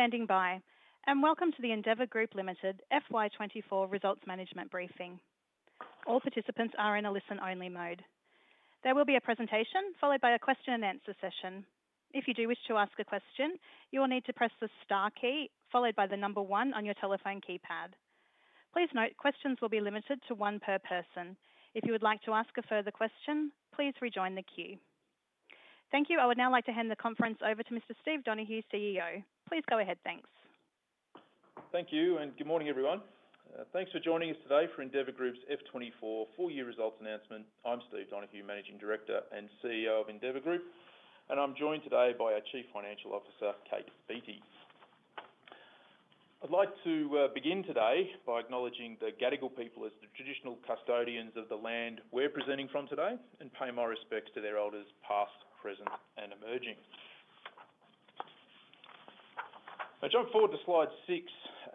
Thank you for standing by, and welcome to the Endeavour Group Limited FY 2024 Results Management Briefing. All participants are in a listen-only mode. There will be a presentation followed by a question-and-answer session. If you do wish to ask a question, you will need to press the star key followed by the number one on your telephone keypad. Please note, questions will be limited to one per person. If you would like to ask a further question, please rejoin the queue. Thank you. I would now like to hand the conference over to Mr. Steve Donohue, CEO. Please go ahead. Thanks. Thank you, and good morning, everyone. Thanks for joining us today for Endeavour Group's F24 Full Year Results Announcement. I'm Steve Donohue, Managing Director and CEO of Endeavour Group, and I'm joined today by our Chief Financial Officer, Kate Beattie. I'd like to begin today by acknowledging the Gadigal people as the traditional custodians of the land we're presenting from today and pay my respects to their elders, past, present, and emerging. I jump forward to slide six.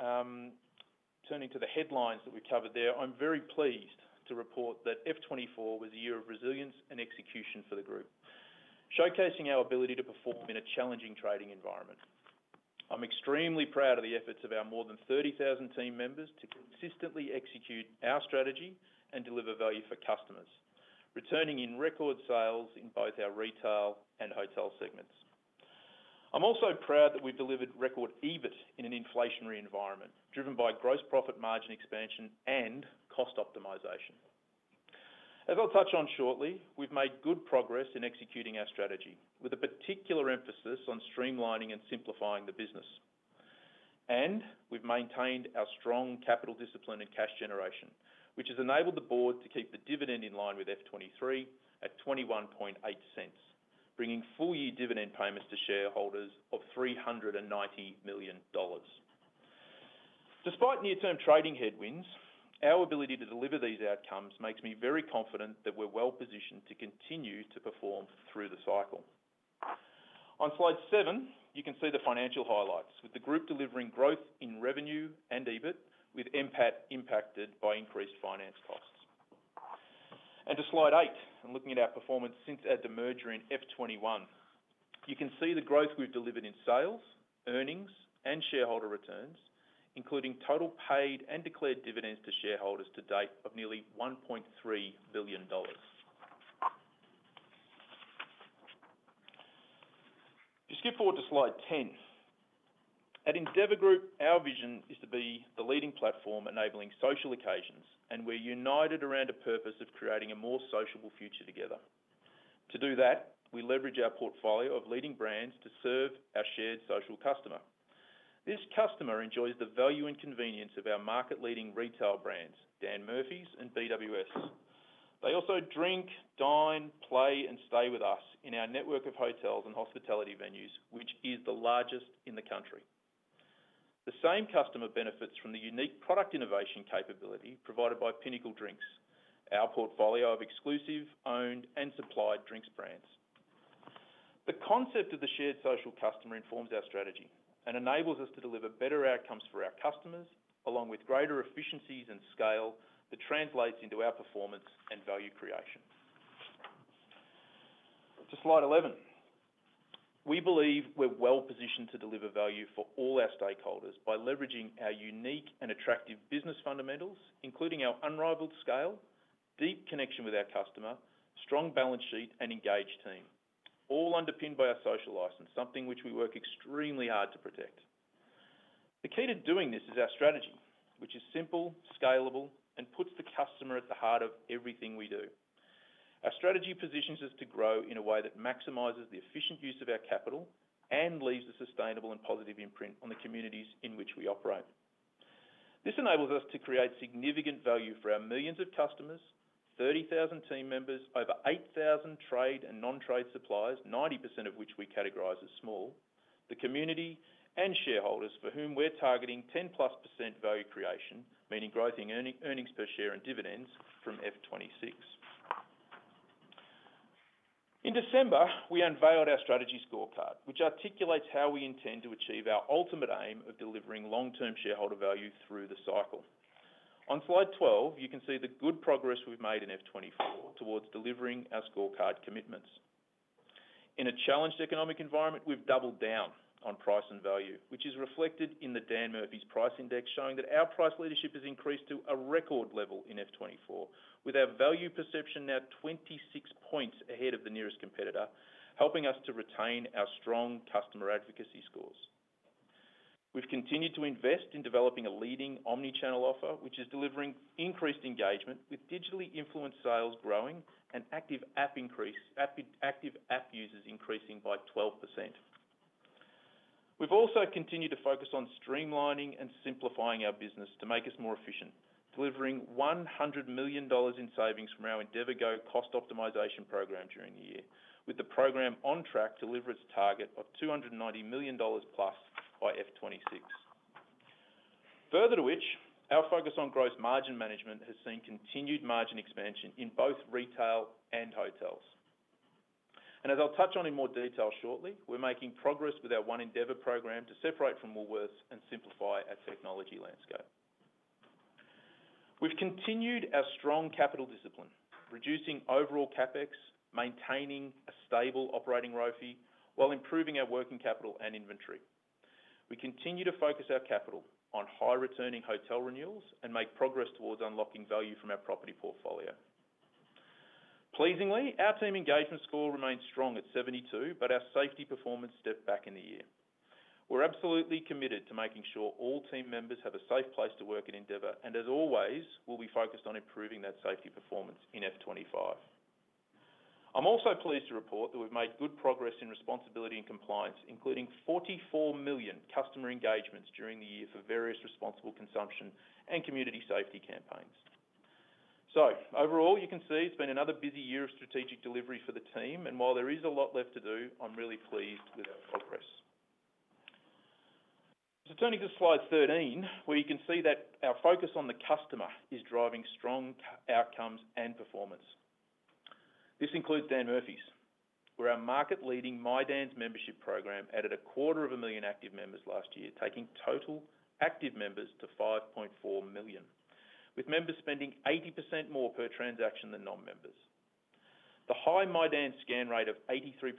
Turning to the headlines that we covered there, I'm very pleased to report that F24 was a year of resilience and execution for the group, showcasing our ability to perform in a challenging trading environment. I'm extremely proud of the efforts of our more than 30,000 team members to consistently execute our strategy and deliver value for customers, resulting in record sales in both our Retail and Hotel segments. I'm also proud that we've delivered record EBIT in an inflationary environment, driven by gross profit margin expansion and cost optimization. As I'll touch on shortly, we've made good progress in executing our strategy, with a particular emphasis on streamlining and simplifying the business. And we've maintained our strong capital discipline and cash generation, which has enabled the Board to keep the dividend in line with F23 at 0.218, bringing full-year dividend payments to shareholders of 390 million dollars. Despite near-term trading headwinds, our ability to deliver these outcomes makes me very confident that we're well-positioned to continue to perform through the cycle. On slide seven, you can see the financial highlights, with the group delivering growth in revenue and EBIT, with NPAT impacted by increased finance costs. To slide eight, looking at our performance since the merger in F21. You can see the growth we've delivered in sales, earnings, and shareholder returns, including total paid and declared dividends to shareholders to date of nearly 1.3 billion dollars. If you skip forward to slide 10. At Endeavour Group, our vision is to be the leading platform enabling social occasions, and we're united around a purpose of creating a more sociable future together. To do that, we leverage our portfolio of leading brands to serve our shared social customer. This customer enjoys the value and convenience of our market-leading retail brands, Dan Murphy's and BWS. They also drink, dine, play, and stay with us in our network of hotels and hospitality venues, which is the largest in the country. The same customer benefits from the unique product innovation capability provided by Pinnacle Drinks, our portfolio of exclusive, owned, and supplied drinks brands. The concept of the shared social customer informs our strategy and enables us to deliver better outcomes for our customers, along with greater efficiencies and scale that translates into our performance and value creation. To slide 11. We believe we're well-positioned to deliver value for all our stakeholders by leveraging our unique and attractive business fundamentals, including our unrivaled scale, deep connection with our customer, strong balance sheet, and engaged team, all underpinned by our social license, something which we work extremely hard to protect. The key to doing this is our strategy, which is simple, scalable, and puts the customer at the heart of everything we do. Our strategy positions us to grow in a way that maximizes the efficient use of our capital and leaves a sustainable and positive imprint on the communities in which we operate. This enables us to create significant value for our millions of customers, 30,000 team members, over 8,000 trade and non-trade suppliers, 90% of which we categorize as small, the community, and shareholders for whom we're targeting 10%+ value creation, meaning growth in earnings per share and dividends from FY 2026. In December, we unveiled our strategy scorecard, which articulates how we intend to achieve our ultimate aim of delivering long-term shareholder value through the cycle. On slide 12, you can see the good progress we've made in F24 towards delivering our scorecard commitments. In a challenged economic environment, we've doubled down on price and value, which is reflected in the Dan Murphy's price index, showing that our price leadership has increased to a record level in F24, with our value perception now 26 points ahead of the nearest competitor, helping us to retain our strong customer advocacy scores. We've continued to invest in developing a leading omni-channel offer, which is delivering increased engagement with digitally influenced sales growing and active app users increasing by 12%. We've also continued to focus on streamlining and simplifying our business to make us more efficient, delivering 100 million dollars in savings from our endeavourGO cost optimization program during the year, with the program on track to deliver its target of 290 million dollars plus by F26. Further to which, our focus on gross margin management has seen continued margin expansion in both Retail and Hotels. As I'll touch on in more detail shortly, we're making progress with our One Endeavour program to separate from Woolworths and simplify our technology landscape. We've continued our strong capital discipline, reducing overall CapEx, maintaining a stable operating ROFE, while improving our working capital and inventory. We continue to focus our capital on high-returning hotel renewals and make progress towards unlocking value from our property portfolio. Pleasingly, our team engagement score remains strong at 72, but our safety performance stepped back in the year. We're absolutely committed to making sure all team members have a safe place to work at Endeavour, and as always, we'll be focused on improving that safety performance in F25. I'm also pleased to report that we've made good progress in responsibility and compliance, including 44 million customer engagements during the year for various responsible consumption and community safety campaigns. Overall, you can see it's been another busy year of strategic delivery for the team, and while there is a lot left to do, I'm really pleased with our progress. Turning to slide 13, where you can see that our focus on the customer is driving strong customer outcomes and performance. This includes Dan Murphy's, where our market-leading My Dan's membership program added 250,000 active members last year, taking total active members to 5.4 million, with members spending 80% more per transaction than non-members. The high My Dan scan rate of 83%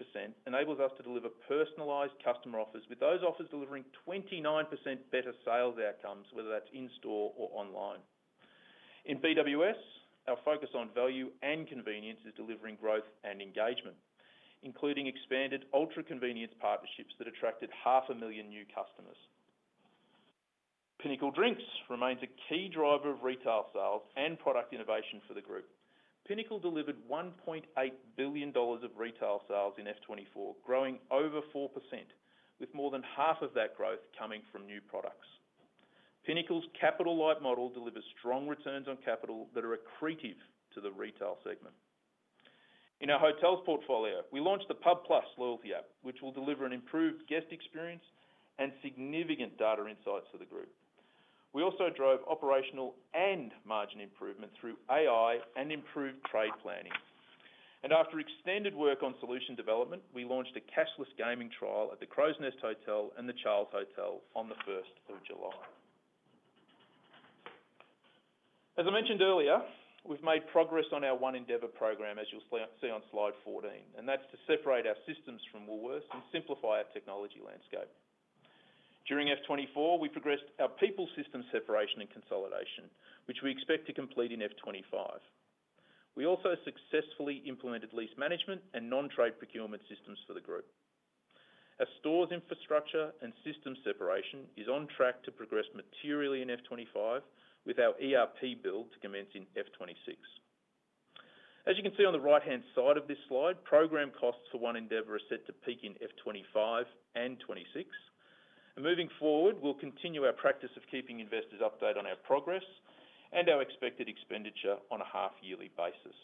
enables us to deliver personalized customer offers, with those offers delivering 29% better sales outcomes, whether that's in-store or online. In BWS, our focus on value and convenience is delivering growth and engagement, including expanded ultra-convenience partnerships that attracted 500,000 new customers. Pinnacle Drinks remains a key driver of retail sales and product innovation for the group. Pinnacle delivered 1.8 billion dollars of retail sales in F24, growing over 4%, with more than half of that growth coming from new products. Pinnacle's capital-light model delivers strong returns on capital that are accretive to the Retail segment. In our Hotels portfolio, we launched the pub+ loyalty app, which will deliver an improved guest experience and significant data insights to the group. We also drove operational and margin improvement through AI and improved trade planning. After extended work on solution development, we launched a cashless gaming trial at the Crows Nest Hotel and the Charles Hotel on the July 1st. As I mentioned earlier, we've made progress on our One Endeavour program, as you'll see on slide 14, and that's to separate our systems from Woolworths and simplify our technology landscape. During F24, we progressed our people system separation and consolidation, which we expect to complete in F25. We also successfully implemented lease management and non-trade procurement systems for the group. Our stores' infrastructure and system separation is on track to progress materially in F25, with our ERP build to commence in F26. As you can see on the right-hand side of this slide, program costs for One Endeavour are set to peak in F25 and 2026. Moving forward, we'll continue our practice of keeping investors updated on our progress and our expected expenditure on a half-yearly basis.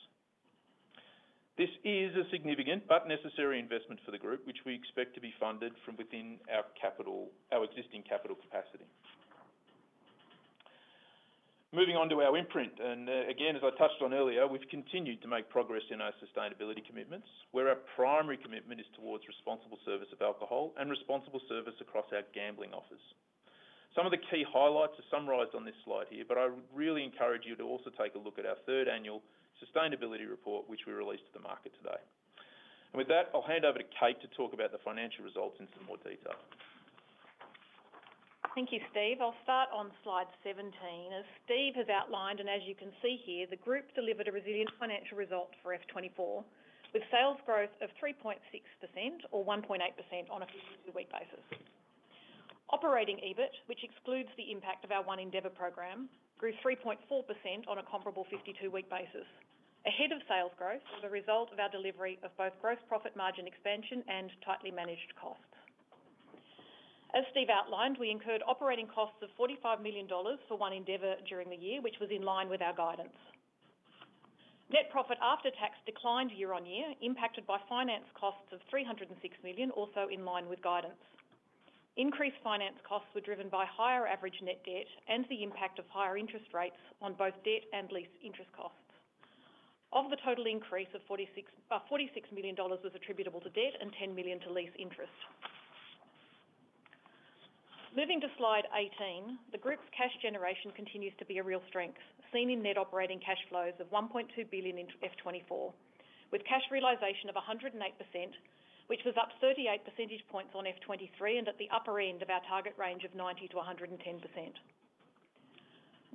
This is a significant but necessary investment for the group, which we expect to be funded from within our capital, our existing capital capacity. Moving on to our impact, and again, as I touched on earlier, we've continued to make progress in our sustainability commitments, where our primary commitment is towards responsible service of alcohol and responsible service across our gambling offers. Some of the key highlights are summarized on this slide here, but I really encourage you to also take a look at our third annual sustainability report, which we released to the market today, and with that, I'll hand over to Kate to talk about the financial results in some more detail. Thank you, Steve. I'll start on slide 17. As Steve has outlined, and as you can see here, the group delivered a resilient financial result for F24, with sales growth of 3.6% or 1.8% on a 52-week basis. Operating EBIT, which excludes the impact of our One Endeavour program, grew 3.4% on a comparable 52-week basis, ahead of sales growth as a result of our delivery of both gross profit margin expansion and tightly managed costs. As Steve outlined, we incurred operating costs of 45 million dollars for One Endeavour during the year, which was in line with our guidance. Net profit after tax declined year on year, impacted by finance costs of 306 million, also in line with guidance. Increased finance costs were driven by higher average net debt and the impact of higher interest rates on both debt and lease interest costs. Of the total increase of 46 million dollars was attributable to debt and 10 million to lease interest. Moving to Slide 18, the group's cash generation continues to be a real strength, seen in net operating cash flows of 1.2 billion in F24, with cash realization of 108%, which was up 38 percentage points on F23 and at the upper end of our target range of 90%-110%.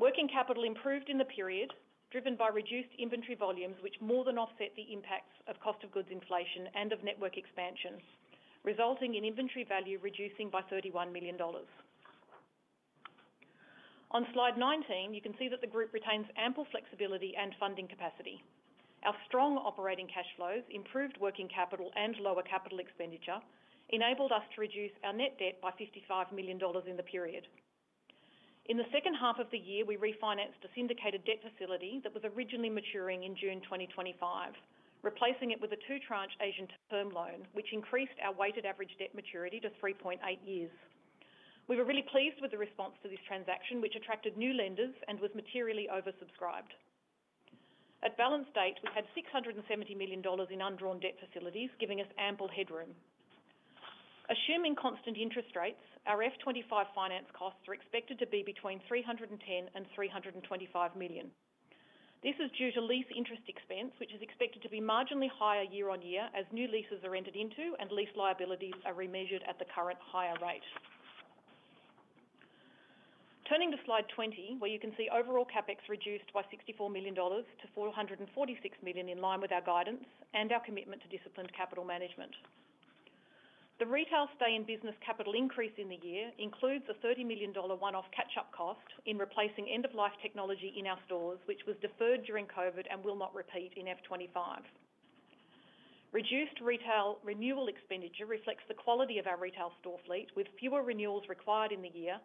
Working capital improved in the period, driven by reduced inventory volumes, which more than offset the impacts of cost of goods inflation and of network expansion, resulting in inventory value reducing by 31 million dollars. On Slide 19, you can see that the group retains ample flexibility and funding capacity. Our strong operating cash flows, improved working capital, and lower capital expenditure enabled us to reduce our net debt by 55 million dollars in the period. In the second half of the year, we refinanced a syndicated debt facility that was originally maturing in June 2025, replacing it with a two-tranche Asian term loan, which increased our weighted average debt maturity to 3.8 years. We were really pleased with the response to this transaction, which attracted new lenders and was materially oversubscribed. At balance date, we had 670 million dollars in undrawn debt facilities, giving us ample headroom. Assuming constant interest rates, our F25 finance costs are expected to be between 310 million and 325 million. This is due to lease interest expense, which is expected to be marginally higher year on year, as new leases are entered into and lease liabilities are remeasured at the current higher rate. Turning to slide 20, where you can see overall CapEx reduced by 64 million dollars to 446 million, in line with our guidance and our commitment to disciplined capital management. The Retail stay in business capital increase in the year includes a 30 million dollar one-off catch-up cost in replacing end-of-life technology in our stores, which was deferred during COVID and will not repeat in F25. Reduced retail renewal expenditure reflects the quality of our retail store fleet, with fewer renewals required in the year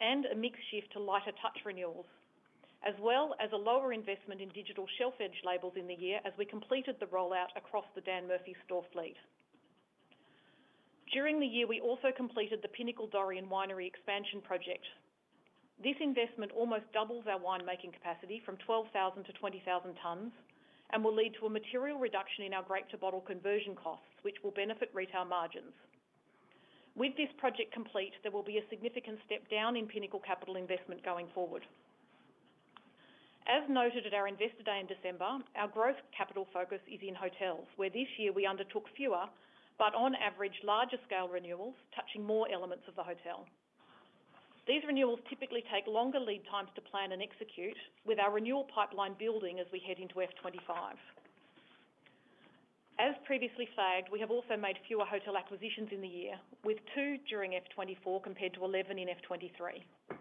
and a mixed shift to lighter touch renewals, as well as a lower investment in digital shelf edge labels in the year as we completed the rollout across the Dan Murphy's store fleet. During the year, we also completed the Pinnacle Dorrien Winery expansion project. This investment almost doubles our winemaking capacity from 12,000 tons-20,000 tons and will lead to a material reduction in our grape-to-bottle conversion costs, which will benefit Retail margins. With this project complete, there will be a significant step down in Pinnacle capital investment going forward. As noted at our Investor Day in December, our growth capital focus is in Hotels, where this year we undertook fewer, but on average, larger scale renewals touching more elements of the Hotel. These renewals typically take longer lead times to plan and execute, with our renewal pipeline building as we head into F25. As previously said, we have also made fewer hotel acquisitions in the year, with two during F24 compared to eleven in F23.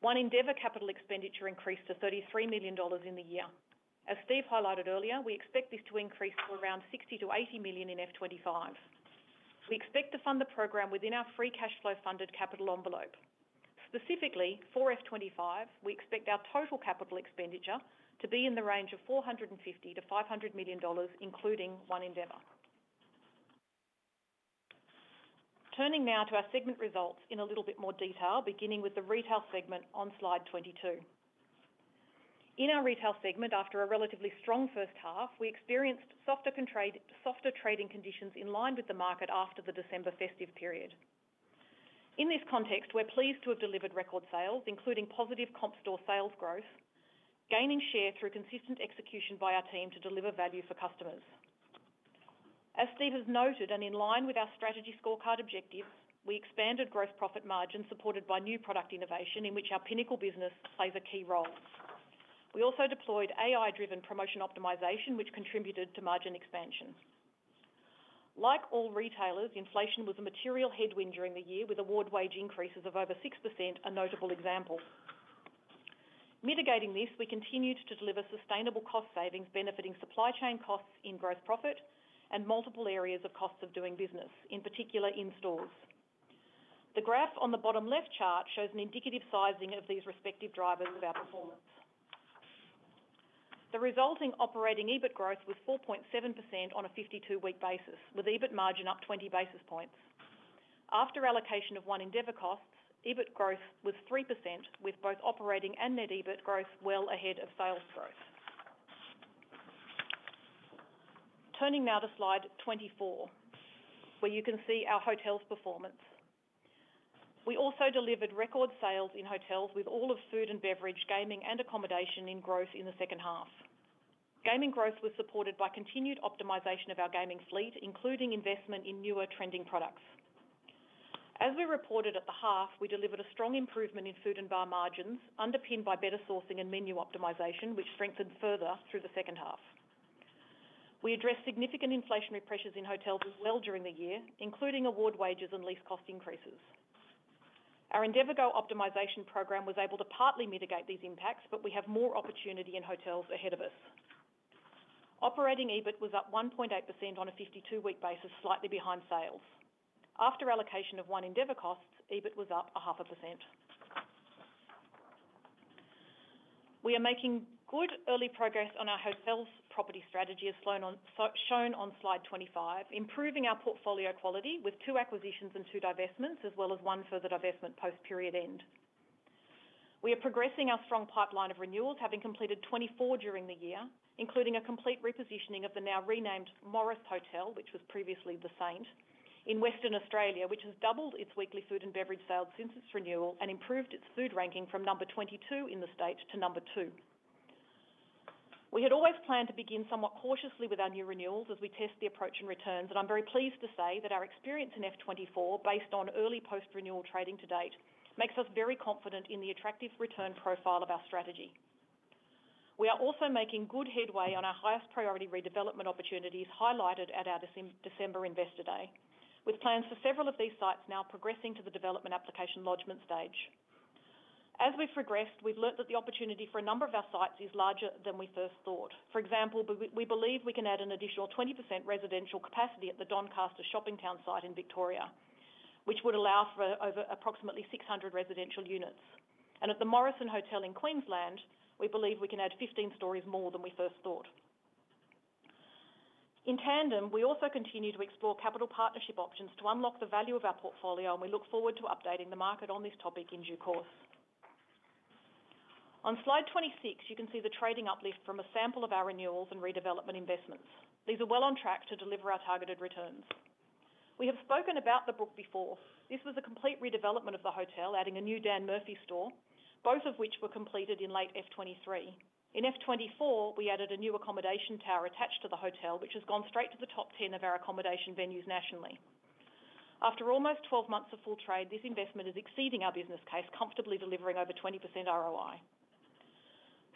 One Endeavour capital expenditure increased to 33 million dollars in the year. As Steve highlighted earlier, we expect this to increase to around 60 million-80 million in F25. We expect to fund the program within our free cash flow funded capital envelope. Specifically, for F25, we expect our total capital expenditure to be in the range of 450 million-500 million dollars, including One Endeavour. Turning now to our segment results in a little bit more detail, beginning with the Retail segment on slide 22. In our Retail segment, after a relatively strong first half, we experienced softer trading conditions in line with the market after the December festive period. In this context, we're pleased to have delivered record sales, including positive comp store sales growth, gaining share through consistent execution by our team to deliver value for customers. As Steve has noted, and in line with our strategy scorecard objective, we expanded gross profit margin, supported by new product innovation in which our Pinnacle business plays a key role. We also deployed AI-driven promotion optimization, which contributed to margin expansion. Like all retailers, inflation was a material headwind during the year, with award wage increases of over 6% a notable example. Mitigating this, we continued to deliver sustainable cost savings, benefiting supply chain costs in gross profit and multiple areas of costs of doing business, in particular in stores. The graph on the bottom left chart shows an indicative sizing of these respective drivers of our performance. The resulting operating EBIT growth was 4.7% on a 52-week basis, with EBIT margin up 20 basis points. After allocation of One Endeavour costs, EBIT growth was 3%, with both operating and net EBIT growth well ahead of sales growth. Turning now to slide 24, where you can see our Hotels' performance. We also delivered record sales in Hotels with all of Food and Beverage, Gaming, and Accommodation in growth in the second half. Gaming growth was supported by continued optimization of our gaming fleet, including investment in newer trending products. As we reported at the half, we delivered a strong improvement in Food and Bar margins, underpinned by better sourcing and menu optimization, which strengthened further through the second half. We addressed significant inflationary pressures in hotels as well during the year, including award wages and lease cost increases. Our endeavourGO optimization program was able to partly mitigate these impacts, but we have more opportunity in Hotels ahead of us. Operating EBIT was up 1.8% on a fifty-two-week basis, slightly behind sales. After allocation of One Endeavour costs, EBIT was up 0.5%. We are making good early progress on our hotels Property strategy, as shown on slide 25, improving our portfolio quality with two acquisitions and two divestments, as well as one further divestment post-period end. We are progressing our strong pipeline of renewals, having completed 24 during the year, including a complete repositioning of the now renamed Morris Hotel, which was previously The Saint in Western Australia, which has doubled its weekly Food and Beverage sales since its renewal and improved its food ranking from number 22 in the state to number two. We had always planned to begin somewhat cautiously with our new renewals as we test the approach and returns, and I'm very pleased to say that our experience in F24, based on early post-renewal trading to date, makes us very confident in the attractive return profile of our strategy. We are also making good headway on our highest priority redevelopment opportunities highlighted at our December Investor Day, with plans for several of these sites now progressing to the development application lodgment stage. As we've progressed, we've learned that the opportunity for a number of our sites is larger than we first thought. For example, we believe we can add an additional 20% residential capacity at the Doncaster Shoppingtown site in Victoria, which would allow for over approximately 600 residential units, and at the Morrison Hotel in Queensland, we believe we can add 15 stories more than we first thought. In tandem, we also continue to explore capital partnership options to unlock the value of our portfolio, and we look forward to updating the market on this topic in due course. On slide 26, you can see the trading uplift from a sample of our renewals and redevelopment investments. These are well on track to deliver our targeted returns. We have spoken about The Brook before. This was a complete redevelopment of the hotel, adding a new Dan Murphy's store, both of which were completed in late F23. In F24, we added a new accommodation tower attached to the hotel, which has gone straight to the top 10 of our accommodation venues nationally. After almost 12 months of full trade, this investment is exceeding our business case, comfortably delivering over 20% ROI.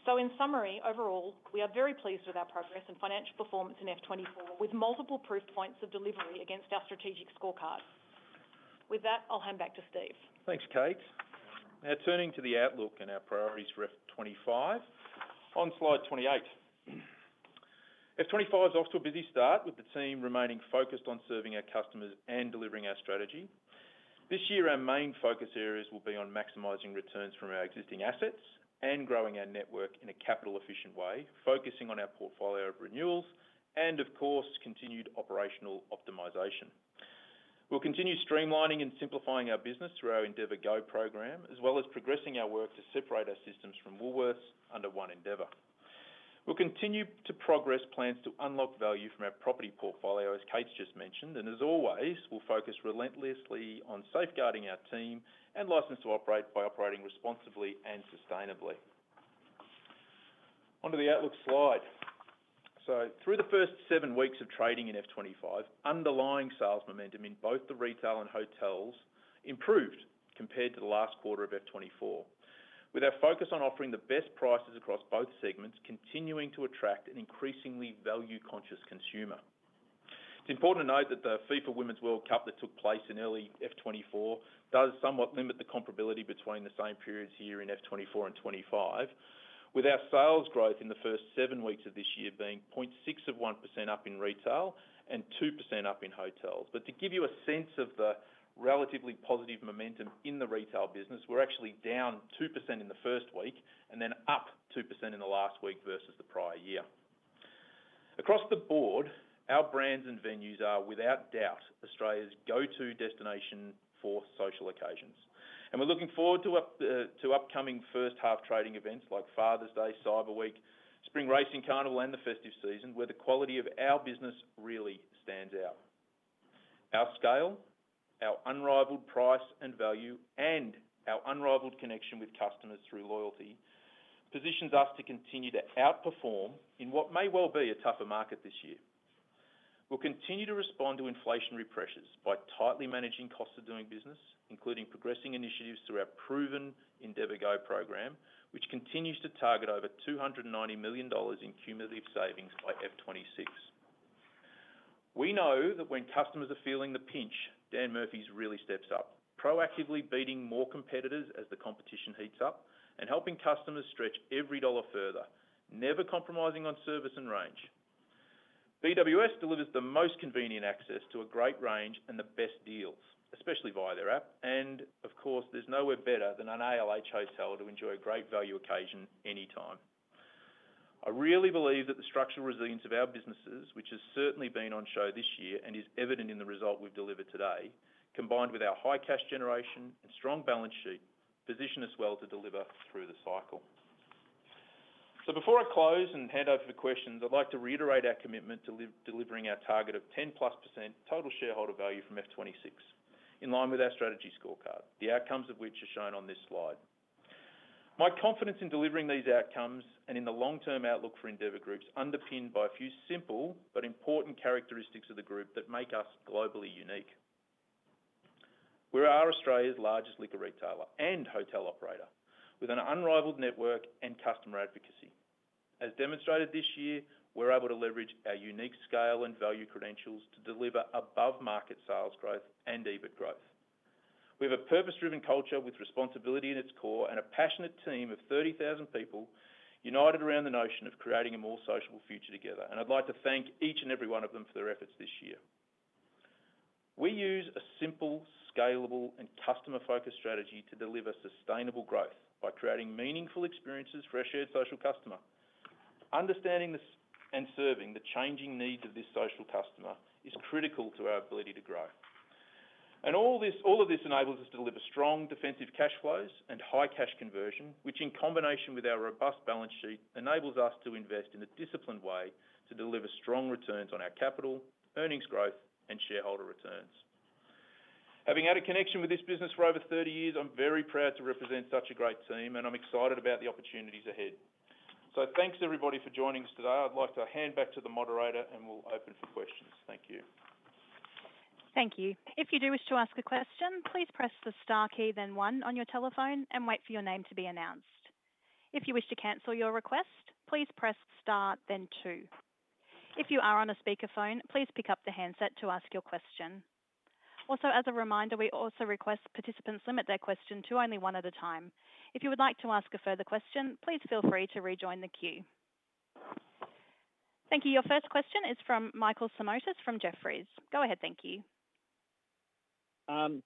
So in summary, overall, we are very pleased with our progress and financial performance in F24, with multiple proof points of delivery against our strategic scorecard. With that, I'll hand back to Steve. Thanks, Kate. Now turning to the outlook and our priorities for F25. On slide 28. F25 is off to a busy start, with the team remaining focused on serving our customers and delivering our strategy. This year, our main focus areas will be on maximizing returns from our existing assets and growing our network in a capital-efficient way, focusing on our portfolio of renewals and of course, continued operational optimization. We'll continue streamlining and simplifying our business through our endeavourGO program, as well as progressing our work to separate our systems from Woolworths under One Endeavour. We'll continue to progress plans to unlock value from our property portfolio, as Kate's just mentioned, and as always, we'll focus relentlessly on safeguarding our team and license to operate by operating responsibly and sustainably. Onto the outlook slide. So through the first seven weeks of trading in F25, underlying sales momentum in both the Retail and Hotels improved compared to the last quarter of F24, with our focus on offering the best prices across both segments, continuing to attract an increasingly value-conscious consumer. It's important to note that the FIFA Women's World Cup that took place in early F24 does somewhat limit the comparability between the same periods here in F24 and 2025, with our sales growth in the first seven weeks of this year being 0.61% up in Retail and 2% up in Hotels. But to give you a sense of the relatively positive momentum in the Retail business, we're actually down 2% in the first week and then up 2% in the last week versus the prior year. Across the board, our brands and venues are without doubt Australia's go-to destination for social occasions, and we're looking forward to upcoming first half trading events like Father's Day, Cyber Week, Spring Racing Carnival, and the festive season, where the quality of our business really stands out. Our scale, our unrivaled price and value, and our unrivaled connection with customers through loyalty positions us to continue to outperform in what may well be a tougher market this year. We'll continue to respond to inflationary pressures by tightly managing costs of doing business, including progressing initiatives through our proven endeavourGO program, which continues to target over 290 million dollars in cumulative savings by F26. We know that when customers are feeling the pinch, Dan Murphy's really steps up, proactively beating more competitors as the competition heats up and helping customers stretch every dollar further, never compromising on service and range. BWS delivers the most convenient access to a great range and the best deals, especially via their app, and of course, there's nowhere better than an ALH hotel to enjoy a great value occasion anytime. I really believe that the structural resilience of our businesses, which has certainly been on show this year and is evident in the result we've delivered today, combined with our high cash generation and strong balance sheet, position us well to deliver through the cycle. Before I close and hand over for questions, I'd like to reiterate our commitment to delivering our target of 10%+ total shareholder value from F26, in line with our strategy scorecard, the outcomes of which are shown on this slide. My confidence in delivering these outcomes and in the long-term outlook for Endeavour Group is underpinned by a few simple but important characteristics of the group that make us globally unique. We are Australia's largest liquor retailer and hotel operator, with an unrivaled network and customer advocacy. As demonstrated this year, we're able to leverage our unique scale and value credentials to deliver above-market sales growth and EBIT growth. We have a purpose-driven culture with responsibility at its core and a passionate team of thirty thousand people united around the notion of creating a more sociable future together, and I'd like to thank each and every one of them for their efforts this year. We use a simple, scalable, and customer-focused strategy to deliver sustainable growth by creating meaningful experiences for our shared social customer. Understanding this and serving the changing needs of this social customer is critical to our ability to grow, and all this, all of this enables us to deliver strong defensive cash flows and high cash conversion, which, in combination with our robust balance sheet, enables us to invest in a disciplined way to deliver strong returns on our capital, earnings growth, and shareholder returns. Having had a connection with this business for over 30 years, I'm very proud to represent such a great team, and I'm excited about the opportunities ahead. So thanks, everybody, for joining us today. I'd like to hand back to the moderator, and we'll open for questions. Thank you. Thank you. If you do wish to ask a question, please press the star key, then one on your telephone and wait for your name to be announced. If you wish to cancel your request, please press star then two. If you are on a speakerphone, please pick up the handset to ask your question. Also, as a reminder, we also request participants limit their question to only one at a time. If you would like to ask a further question, please feel free to rejoin the queue. Thank you. Your first question is from Michael Simotas from Jefferies. Go ahead, thank you.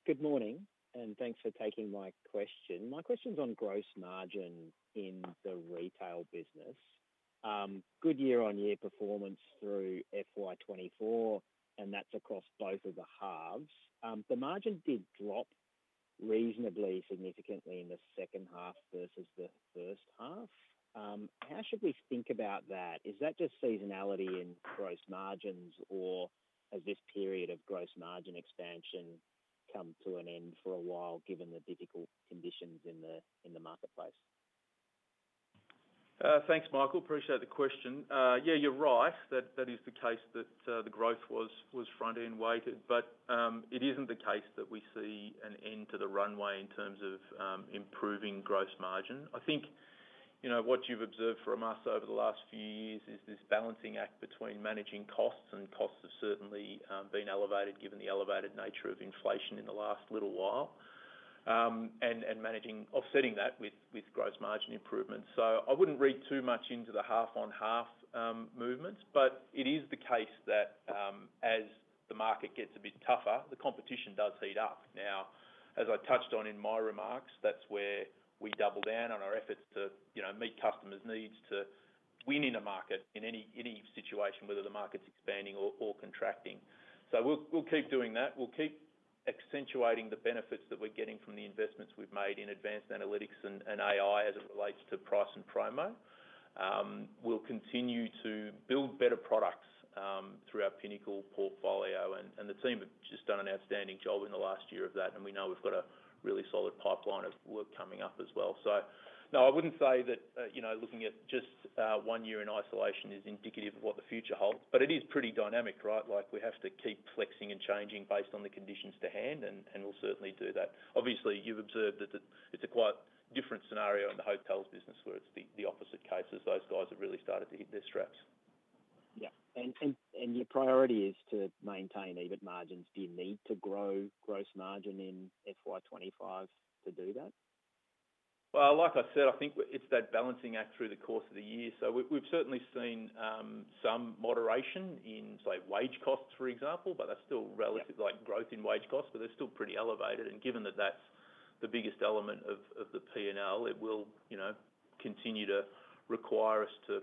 Good morning, and thanks for taking my question. My question's on gross margin in the Retail business. Good year-on-year performance through FY 2024, and that's across both of the halves. The margin did drop reasonably significantly in the second half versus the first half. How should we think about that? Is that just seasonality in gross margin, or has this period of gross margin expansion come to an end for a while, given the difficult conditions in the marketplace? Thanks, Michael. Appreciate the question. Yeah, you're right. That is the case that the growth was front-end weighted, but it isn't the case that we see an end to the runway in terms of improving gross margin. I think, you know, what you've observed from us over the last few years is this balancing act between managing costs, and costs have certainly been elevated, given the elevated nature of inflation in the last little while. And offsetting that with gross margin improvements. So I wouldn't read too much into the half-on-half movement, but it is the case that as the market gets a bit tougher, the competition does heat up. Now, as I touched on in my remarks, that's where we double down on our efforts to, you know, meet customers' needs to win in a market in any situation, whether the market's expanding or contracting. So we'll keep doing that. We'll keep accentuating the benefits that we're getting from the investments we've made in advanced analytics and AI as it relates to price and promo. We'll continue to build better products through our Pinnacle portfolio, and the team have just done an outstanding job in the last year of that, and we know we've got a really solid pipeline of work coming up as well. So no, I wouldn't say that, you know, looking at just one year in isolation is indicative of what the future holds, but it is pretty dynamic, right? Like, we have to keep flexing and changing based on the conditions to hand, and, and we'll certainly do that. Obviously, you've observed that it, it's a quite different scenario in the hotels business, where it's the, the opposite case as those guys have really started to hit their straps. Yeah, and your priority is to maintain EBIT margins. Do you need to grow gross margin in F25 to do that? Like I said, I think it's that balancing act through the course of the year. We've certainly seen some moderation in, say, wage costs, for example, but that's still relative- Yeah. Like growth in wage costs, but they're still pretty elevated. And given that that's the biggest element of the P&L, it will, you know, continue to require us to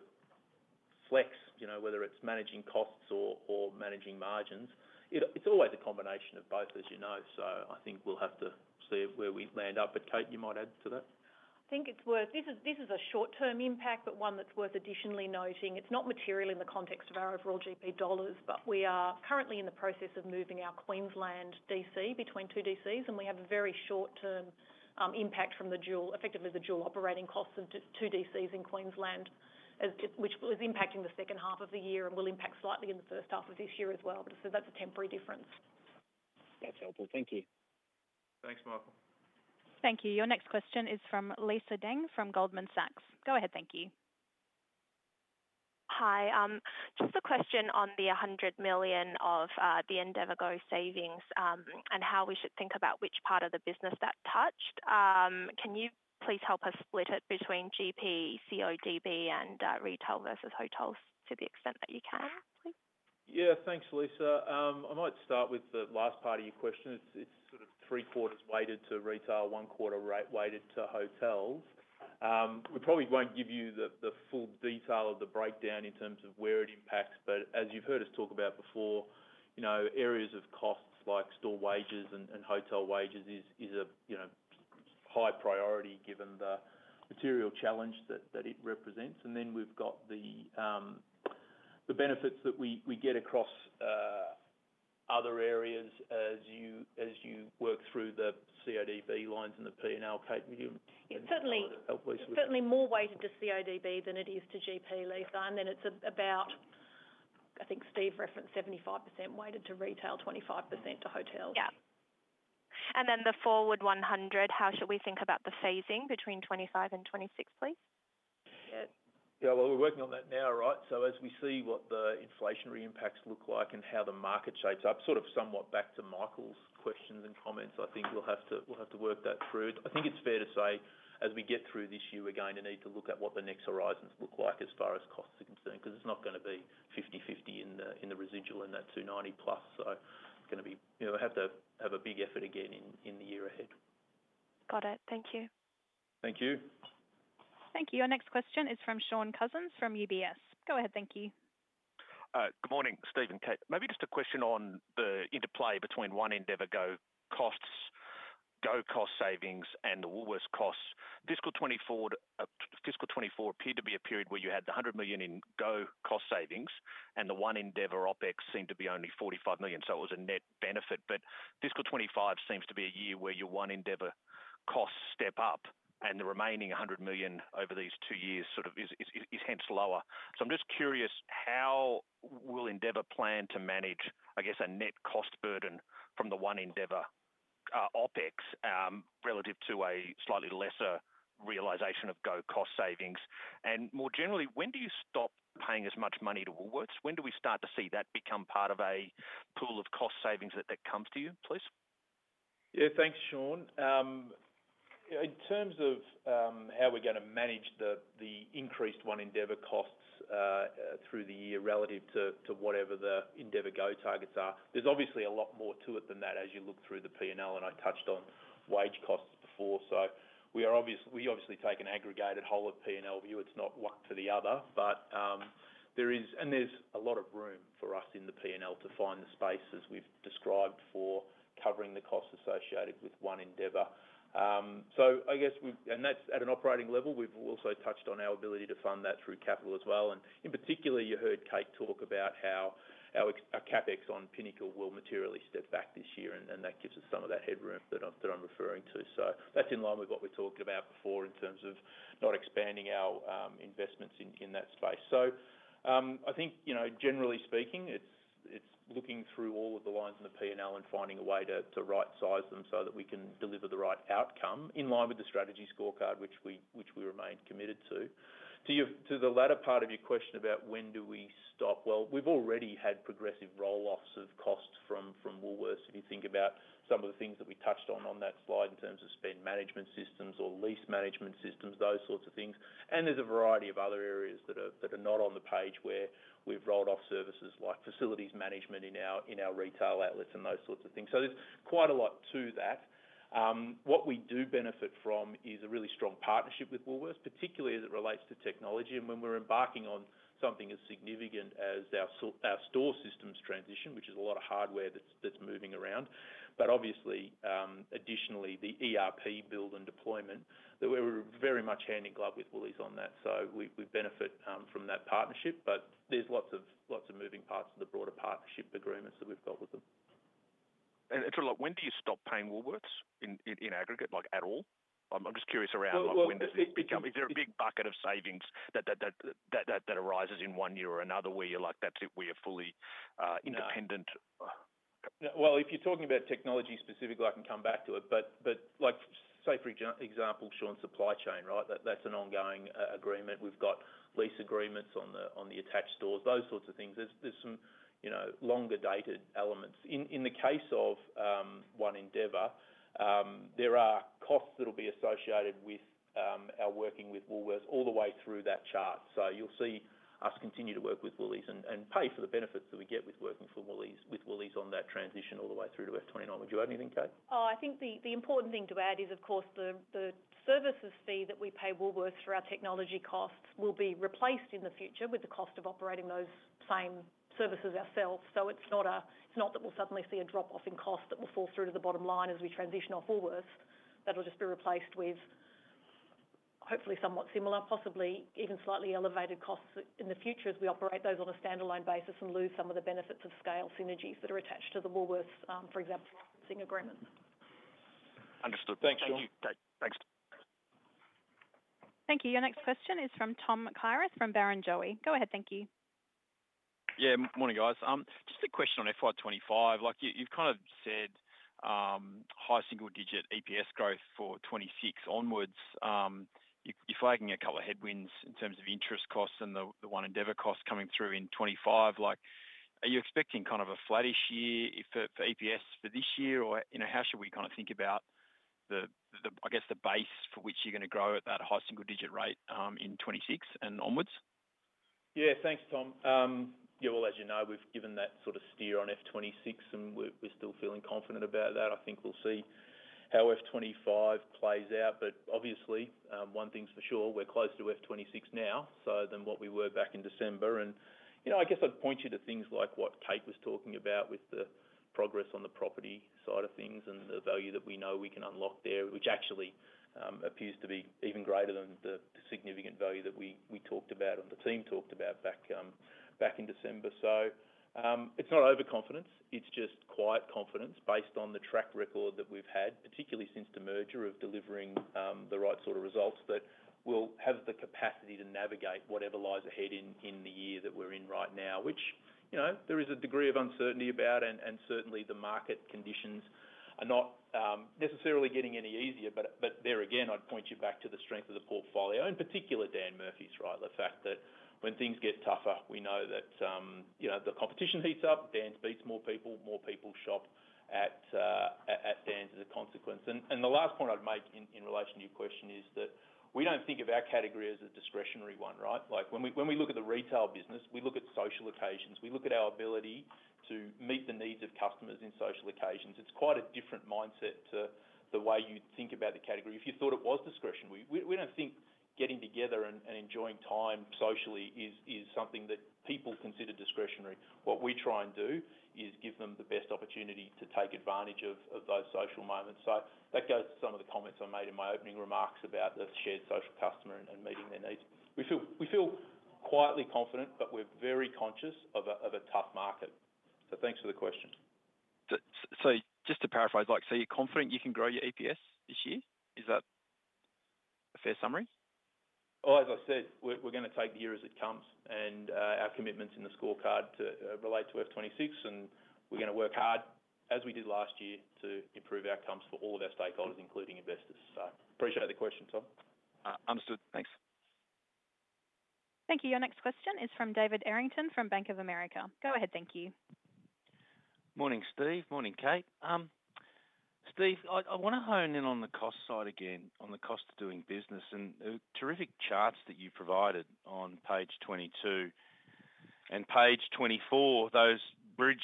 flex, you know, whether it's managing costs or managing margins. It's always a combination of both, as you know, so I think we'll have to see where we land up. But, Kate, you might add to that? I think it's worth... This is a short-term impact, but one that's worth additionally noting. It's not material in the context of our overall GP dollars, but we are currently in the process of moving our Queensland DC between two DCs, and we have a very short term impact from the dual-- effectively, the dual operating costs of two DCs in Queensland, which is impacting the second half of the year and will impact slightly in the first half of this year as well. But so that's a temporary difference. That's helpful. Thank you. Thanks, Michael. Thank you. Your next question is from Lisa Deng, from Goldman Sachs. Go ahead, thank you. Hi. Just a question on the 100 million of the endeavourGO savings, and how we should think about which part of the business that touched. Can you please help us split it between GP, CODB, and Retail versus Hotels to the extent that you can, please? Yeah. Thanks, Lisa. I might start with the last part of your question. It's sort of three-quarters weighted to Retail, one-quarter rate weighted to Hotels. We probably won't give you the full detail of the breakdown in terms of where it impacts, but as you've heard us talk about before, you know, areas of costs like store wages and hotel wages is a high priority given the material challenge that it represents. And then we've got the benefits that we get across other areas as you work through the CODB lines and the P&L. Kate, would you- Yeah, certainly. Help me with- Certainly more weighted to CODB than it is to GP, Lisa, and then it's about, I think Steve referenced 75% weighted to Retail, 25% to Hotels. Yeah, and then the forward 100, how should we think about the phasing between 2025 and 2026, please? Yeah. Yeah, well, we're working on that now, right? So as we see what the inflationary impacts look like and how the market shapes up, sort of somewhat back to Michael's questions and comments, I think we'll have to, we'll have to work that through. I think it's fair to say, as we get through this year, we're going to need to look at what the next horizons look like as far as costs are concerned, 'cause it's not gonna be 50/50 in the, in the residual and that 290+. So gonna be... You know, have to have a big effort again in, in the year ahead. Got it. Thank you. Thank you. Thank you. Our next question is from Shaun Cousins, from UBS. Go ahead, thank you. Good morning, Steve and Kate. Maybe just a question on the interplay between One Endeavour GO costs, GO cost savings, and the Woolworths costs. Fiscal 2024 appeared to be a period where you had 100 million in GO cost savings, and the One Endeavour OpEx seemed to be only 45 million, so it was a net benefit. But fiscal 2025 seems to be a year where your One Endeavour costs step up, and the remaining 100 million over these two years sort of is hence lower. So I'm just curious, how will Endeavour plan to manage, I guess, a net cost burden from the One Endeavour OpEx relative to a slightly lesser realization of GO cost savings? And more generally, when do you stop paying as much money to Woolworths? When do we start to see that become part of a pool of cost savings that, that comes to you, please? Yeah. Thanks, Shaun. In terms of how we're gonna manage the increased One Endeavour costs through the year relative to whatever the endeavourGO targets are, there's obviously a lot more to it than that as you look through the P&L, and I touched on wage costs before, so we obviously take an aggregated whole of P&L view. It's not one to the other, but, and there's a lot of room for us in the P&L to find the space, as we've described, for covering the costs associated with One Endeavour, so I guess we've, and that's at an operating level. We've also touched on our ability to fund that through capital as well. In particular, you heard Kate talk about how our CapEx on Pinnacle will materially step back this year, and that gives us some of that headroom that I'm referring to. That's in line with what we talked about before in terms of not expanding our investments in that space. I think, you know, generally speaking, it's looking through all of the lines in the P&L and finding a way to rightsize them so that we can deliver the right outcome in line with the strategy scorecard, which we remain committed to. To the latter part of your question about when do we stop? We've already had progressive roll-offs of costs from Woolworths. If you think about some of the things that we touched on, on that slide in terms of spend management systems or lease management systems, those sorts of things. There's a variety of other areas that are not on the page where we've rolled off services like facilities management in our retail outlets and those sorts of things. So there's quite a lot to that. What we do benefit from is a really strong partnership with Woolworths, particularly as it relates to technology. When we're embarking on something as significant as our store systems transition, which is a lot of hardware that's moving around, but obviously, additionally, the ERP build and deployment, that we're very much hand in glove with Woolies on that. We benefit from that partnership, but there's lots of moving parts to the broader partnership agreements that we've got with them. And so like, when do you stop paying Woolworths in aggregate, like, at all? I'm just curious around like when does this become- Well, well- Is there a big bucket of savings that arises in one year or another where you're like, "That's it, we are fully independent? No. Well, if you're talking about technology specifically, I can come back to it. But like, say, for example, Shaun, supply chain, right? That's an ongoing agreement. We've got lease agreements on the attached stores, those sorts of things. There's some, you know, longer dated elements. In the case of One Endeavour, there are costs that will be associated with our working with Woolworths all the way through that chart. So you'll see us continue to work with Woolies and pay for the benefits that we get with working for Woolies with Woolies on that transition all the way through to F29. Would you add anything, Kate? Oh, I think the important thing to add is, of course, the services fee that we pay Woolworths for our technology costs will be replaced in the future with the cost of operating those same services ourselves, so it's not that we'll suddenly see a drop-off in cost that will fall through to the bottom line as we transition off Woolworths. That will just be replaced with hopefully somewhat similar, possibly even slightly elevated costs in the future as we operate those on a standalone basis and lose some of the benefits of scale synergies that are attached to the Woolworths, for example, licensing agreement. Understood. Thank you. Thank you. Thanks. Thank you. Your next question is from Tom Kierath from Barrenjoey. Go ahead. Thank you. Yeah, morning, guys. Just a question on FY 2025. Like, you, you've kind of said, high single-digit EPS growth for 2026 onwards. You, you're flagging a couple of headwinds in terms of interest costs and the One Endeavour cost coming through in 2025. Like, are you expecting kind of a flattish year for EPS for this year? Or, you know, how should we kind of think about the, I guess, the base for which you're gonna grow at that high single-digit rate, in 2026 and onwards? Yeah, thanks, Tom. Yeah, well, as you know, we've given that sort of steer on F26, and we're still feeling confident about that. I think we'll see how F25 plays out, but obviously, one thing's for sure, we're closer to F26 now than what we were back in December. You know, I guess I'd point you to things like what Kate was talking about with the progress on the property side of things and the value that we know we can unlock there, which actually appears to be even greater than the significant value that we talked about and the team talked about back in December. It's not overconfidence, it's just quiet confidence based on the track record that we've had, particularly since the merger of delivering the right sort of results, that we'll have the capacity to navigate whatever lies ahead in the year that we're in right now, which you know there is a degree of uncertainty about, and certainly the market conditions are not necessarily getting any easier. But there again, I'd point you back to the strength of the portfolio, in particular, Dan Murphy's, right? The fact that when things get tougher, we know that you know the competition heats up, Dan's beats more people, more people shop at Dan's as a consequence. And the last point I'd make in relation to your question is that we don't think of our category as a discretionary one, right? Like, when we look at the retail business, we look at social occasions, we look at our ability to meet the needs of customers in social occasions. It's quite a different mindset to the way you think about the category. If you thought it was discretionary, we don't think getting together and enjoying time socially is something that people consider discretionary. What we try and do is give them the best opportunity to take advantage of those social moments. So that goes to some of the comments I made in my opening remarks about the shared social customer and meeting their needs. We feel quietly confident, but we're very conscious of a tough market. So thanks for the question. So, just to paraphrase, like, so you're confident you can grow your EPS this year? Is that a fair summary? As I said, we're gonna take the year as it comes, and our commitments in the scorecard to relate to F26, and we're gonna work hard, as we did last year, to improve outcomes for all of our stakeholders, including investors. I appreciate the question, Tom. Understood. Thanks. .Thank you. Your next question is from David Errington, from Bank of America. Go ahead, thank you. Morning, Steve. Morning, Kate. Steve, I wanna hone in on the cost side again, on the cost of doing business, and terrific charts that you provided on page 22 and page 24, those bridge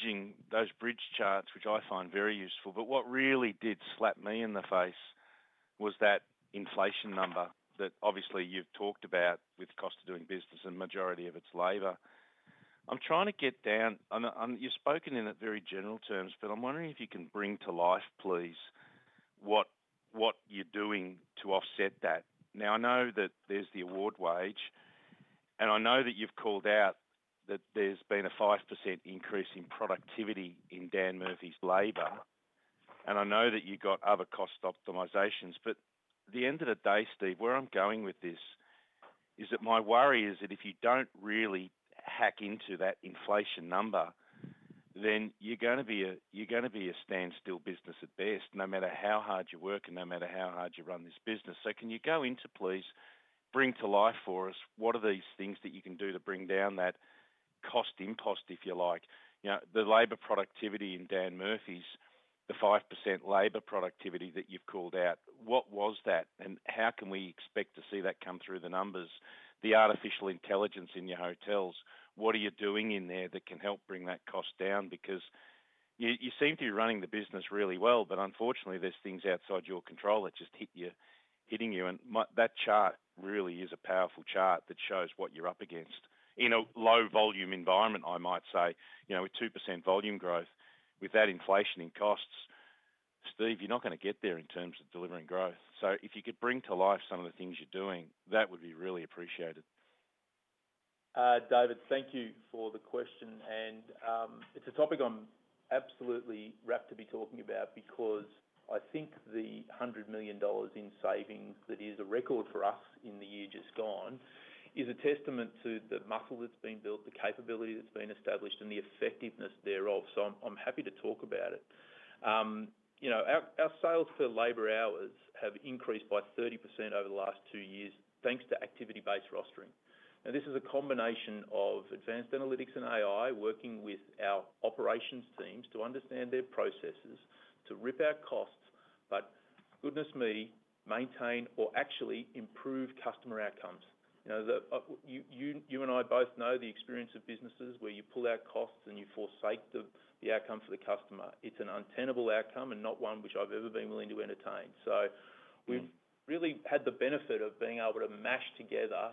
charts, which I find very useful. But what really did slap me in the face was that inflation number that obviously you've talked about with cost of doing business and majority of its labor. I'm trying to get down. You've spoken in a very general terms, but I'm wondering if you can bring to life, please, what you're doing to offset that. Now, I know that there's the award wage, and I know that you've called out that there's been a 5% increase in productivity in Dan Murphy's labor, and I know that you got other cost optimizations. But at the end of the day, Steve, where I'm going with this is that my worry is that if you don't really hack into that inflation number, then you're gonna be a, you're gonna be a standstill business at best, no matter how hard you work and no matter how hard you run this business. So can you go into, please, bring to life for us, what are these things that you can do to bring down that cost impulse, if you like? You know, the labor productivity in Dan Murphy's, the 5% labor productivity that you've called out, what was that? And how can we expect to see that come through the numbers? The artificial intelligence in your hotels, what are you doing in there that can help bring that cost down? Because you seem to be running the business really well, but unfortunately, there's things outside your control that just hit you, hitting you. That chart really is a powerful chart that shows what you're up against. In a low volume environment, I might say, you know, with 2% volume growth, with that inflation in costs, Steve, you're not gonna get there in terms of delivering growth. So if you could bring to life some of the things you're doing, that would be really appreciated. David, thank you for the question, and it's a topic I'm absolutely rapt to be talking about because I think the 100 million dollars in savings, that is a record for us in the year just gone, is a testament to the muscle that's been built, the capability that's been established, and the effectiveness thereof, so I'm happy to talk about it. You know, our sales for labor hours have increased by 30% over the last two years, thanks to activity-based rostering, and this is a combination of advanced analytics and AI working with our operations teams to understand their processes, to rip out costs, but goodness me, maintain or actually improve customer outcomes. You know, you and I both know the experience of businesses where you pull out costs and you forsake the outcome for the customer. It's an untenable outcome and not one which I've ever been willing to entertain. So we've really had the benefit of being able to mash together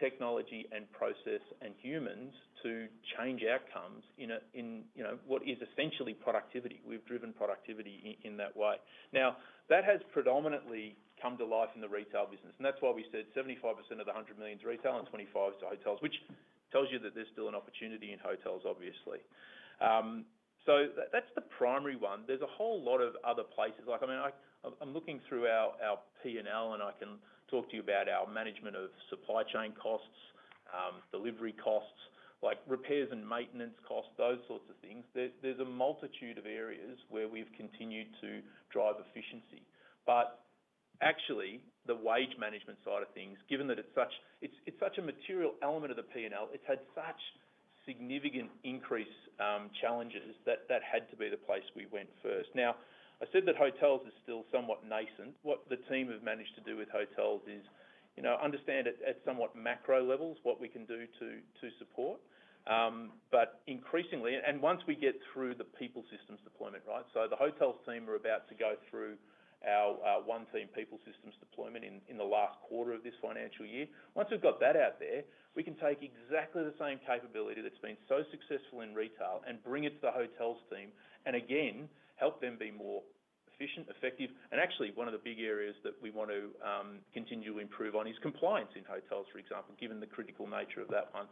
technology and process and humans to change outcomes in a you know what is essentially productivity. We've driven productivity in that way. Now, that has predominantly come to life in the retail business, and that's why we said 75% of the 100 million is Retail and 25% to Hotels, which tells you that there's still an opportunity in hotels, obviously. So that that's the primary one. There's a whole lot of other places. Like, I mean, I'm looking through our P&L, and I can talk to you about our management of supply chain costs, delivery costs, like repairs and maintenance costs, those sorts of things. There's a multitude of areas where we've continued to drive efficiency. But actually, the wage management side of things, given that it's such a material element of the P&L, it's had such significant increase challenges that that had to be the place we went first. Now, I said that hotels is still somewhat nascent. What the team have managed to do with Hotels is, you know, understand at somewhat macro levels, what we can do to support. But increasingly, and once we get through the people systems deployment, right? So the Hotels team are about to go through our one team people systems deployment in the last quarter of this financial year. Once we've got that out there, we can take exactly the same capability that's been so successful in Retail and bring it to the Hotels team, and again, help them be more efficient, effective. And actually, one of the big areas that we want to continually improve on is compliance in Hotels, for example, given the critical nature of that one.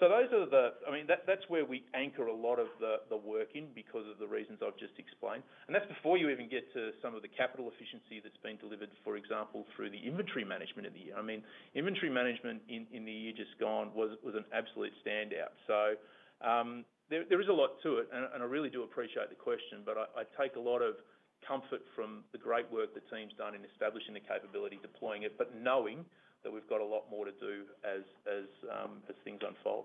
So those are the. I mean, that's where we anchor a lot of the work in because of the reasons I've just explained. And that's before you even get to some of the capital efficiency that's been delivered, for example, through the inventory management of the year. I mean, inventory management in the year just gone was an absolute standout. There is a lot to it, and I really do appreciate the question, but I take a lot of comfort from the great work the team's done in establishing the capability, deploying it, but knowing that we've got a lot more to do as things unfold.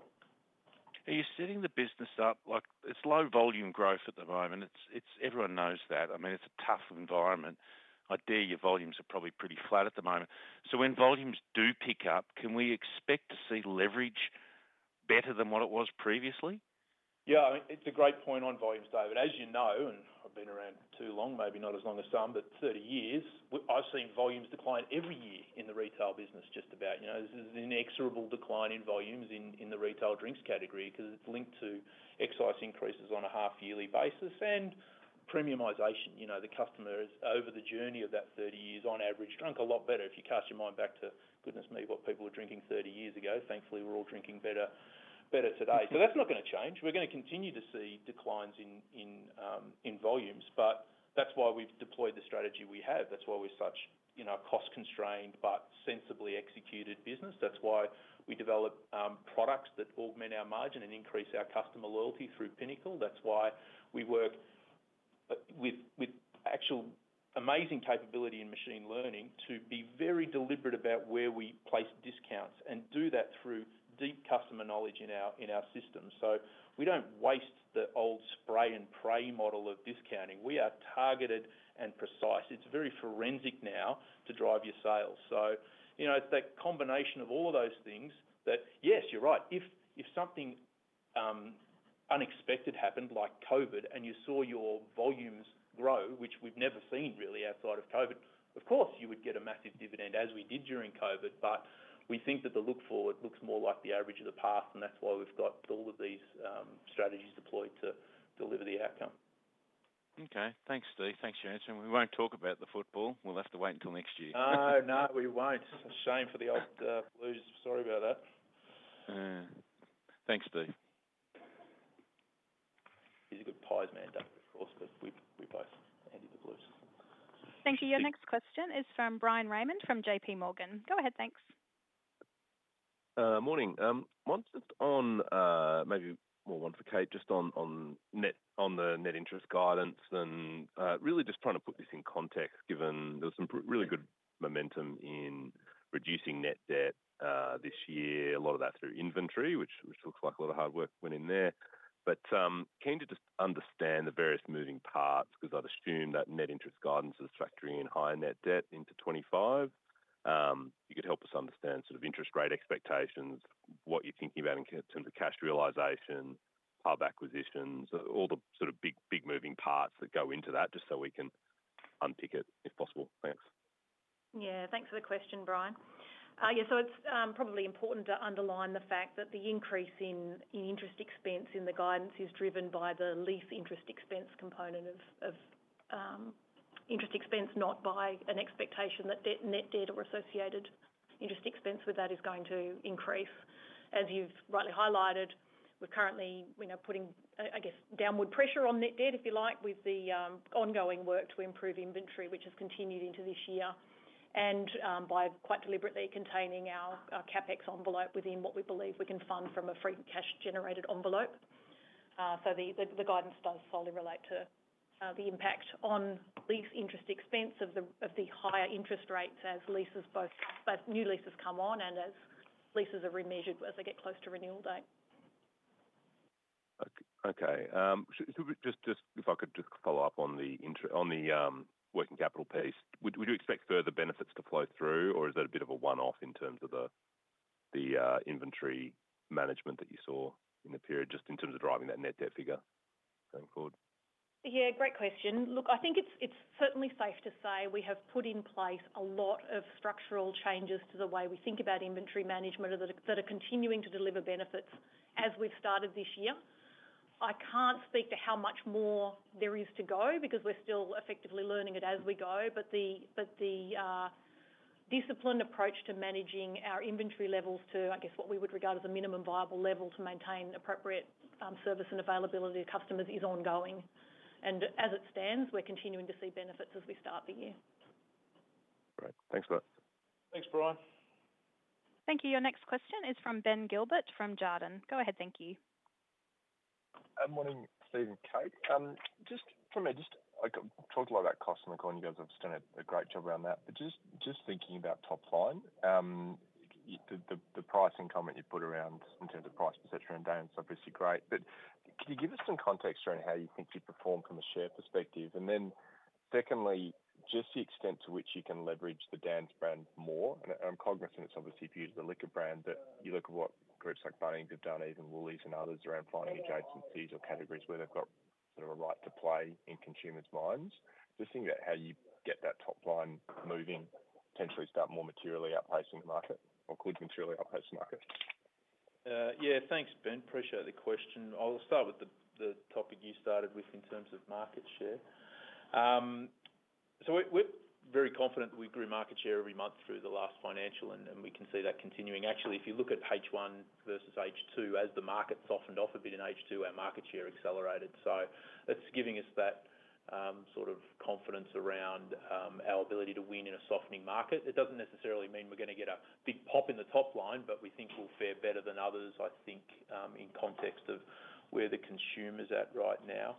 Are you setting the business up? Like, it's low volume growth at the moment. It's everyone knows that. I mean, it's a tough environment. I dare say your volumes are probably pretty flat at the moment. So when volumes do pick up, can we expect to see leverage better than what it was previously? Yeah, it's a great point on volumes, David. As you know, and I've been around too long, maybe not as long as some, but 30 years. I've seen volumes decline every year in the retail business, just about. You know, this is an inexorable decline in volumes in volumes, but that's why we've deployed the strategy we have. That's why we're such, you know, cost-constrained but sensibly executed business. That's why we develop products that augment our margin and increase our customer loyalty through Pinnacle. That's why we work with actual amazing capability in machine learning to be very deliberate about where we place discounts and do that through deep customer knowledge in our system, so we don't waste the old spray and pray model of discounting. We are targeted and precise. It's very forensic now to drive your sales, so you know, it's that combination of all of those things that, yes, you're right. If something unexpected happened, like COVID, and you saw your volumes grow, which we've never seen really outside of COVID, of course, you would get a massive dividend, as we did during COVID. But we think that the look forward looks more like the average of the past, and that's why we've got all of these strategies deployed to deliver the outcome. Okay. Thanks, Steve. Thanks for your answer. And we won't talk about the football. We'll have to wait until next year. No, no, we won't. Shame for the old Blues. Sorry about that. Thanks, Steve. He's a good Pies man, David, of course, but we both hate the Blues. Thank you. Your next question is from Bryan Raymond, from JPMorgan. Go ahead, thanks. Morning. One just on, maybe more one for Kate, just on the net interest guidance and really just trying to put this in context, given there was some really good momentum in reducing net debt this year. A lot of that through inventory, which looks like a lot of hard work went in there. But keen to just understand the various moving parts, 'cause I'd assume that net interest guidance is factoring in higher net debt into 2025. If you could help us understand sort of interest rate expectations, what you're thinking about in terms of cash realization, pub acquisitions, all the sort of big moving parts that go into that, just so we can unpick it, if possible. Thanks. Yeah, thanks for the question, Bryan. Yeah, so it's probably important to underline the fact that the increase in interest expense in the guidance is driven by the lease interest expense component of interest expense, not by an expectation that the net debt or associated interest expense with that is going to increase. As you've rightly highlighted, we're currently, you know, putting, I guess, downward pressure on net debt, if you like, with the ongoing work to improve inventory, which has continued into this year, and by quite deliberately containing our CapEx envelope within what we believe we can fund from a free cash generated envelope. So the guidance does solely relate to the impact on lease interest expense of the higher interest rates as both new leases come on and as leases are remeasured as they get close to renewal date. Okay. So just if I could just follow up on the working capital piece. Would you expect further benefits to flow through, or is that a bit of a one-off in terms of the inventory management that you saw in the period, just in terms of driving that net debt figure going forward? Yeah, great question. Look, I think it's certainly safe to say we have put in place a lot of structural changes to the way we think about inventory management that are continuing to deliver benefits as we've started this year. I can't speak to how much more there is to go because we're still effectively learning it as we go. But the disciplined approach to managing our inventory levels to, I guess, what we would regard as a minimum viable level to maintain appropriate service and availability to customers is ongoing. And as it stands, we're continuing to see benefits as we start the year. Great. Thanks a lot. Thanks, Brian. Thank you. Your next question is from Ben Gilbert, from Jarden. Go ahead, thank you. Morning, Steve and Kate. Just for me, just like talked a lot about cost on the call, and you guys have done a great job around that. But just thinking about top line, the pricing comment you put around in terms of price, et cetera, and Dan's obviously great. But can you give us some context around how you think you performed from a share perspective? And then secondly, just the extent to which you can leverage the Dan's brand more. And I'm cognizant it's obviously if you use the liquor brand, but you look at what groups like Bunnings have done, even Woolies and others around finding adjacencies or categories where they've got sort of a right to play in consumers' minds. Just think about how you get that top line moving, potentially start more materially outpacing the market or could materially outpace the market. Yeah. Thanks, Ben. Appreciate the question. I'll start with the topic you started with in terms of market share. So we're very confident that we grew market share every month through the last financial, and we can see that continuing. Actually, if you look at H1 versus H2, as the market softened off a bit in H2, our market share accelerated. So it's giving us that sort of confidence around our ability to win in a softening market. It doesn't necessarily mean we're gonna get a big pop in the top line, but we think we'll fare better than others, I think, in context of where the consumer's at right now.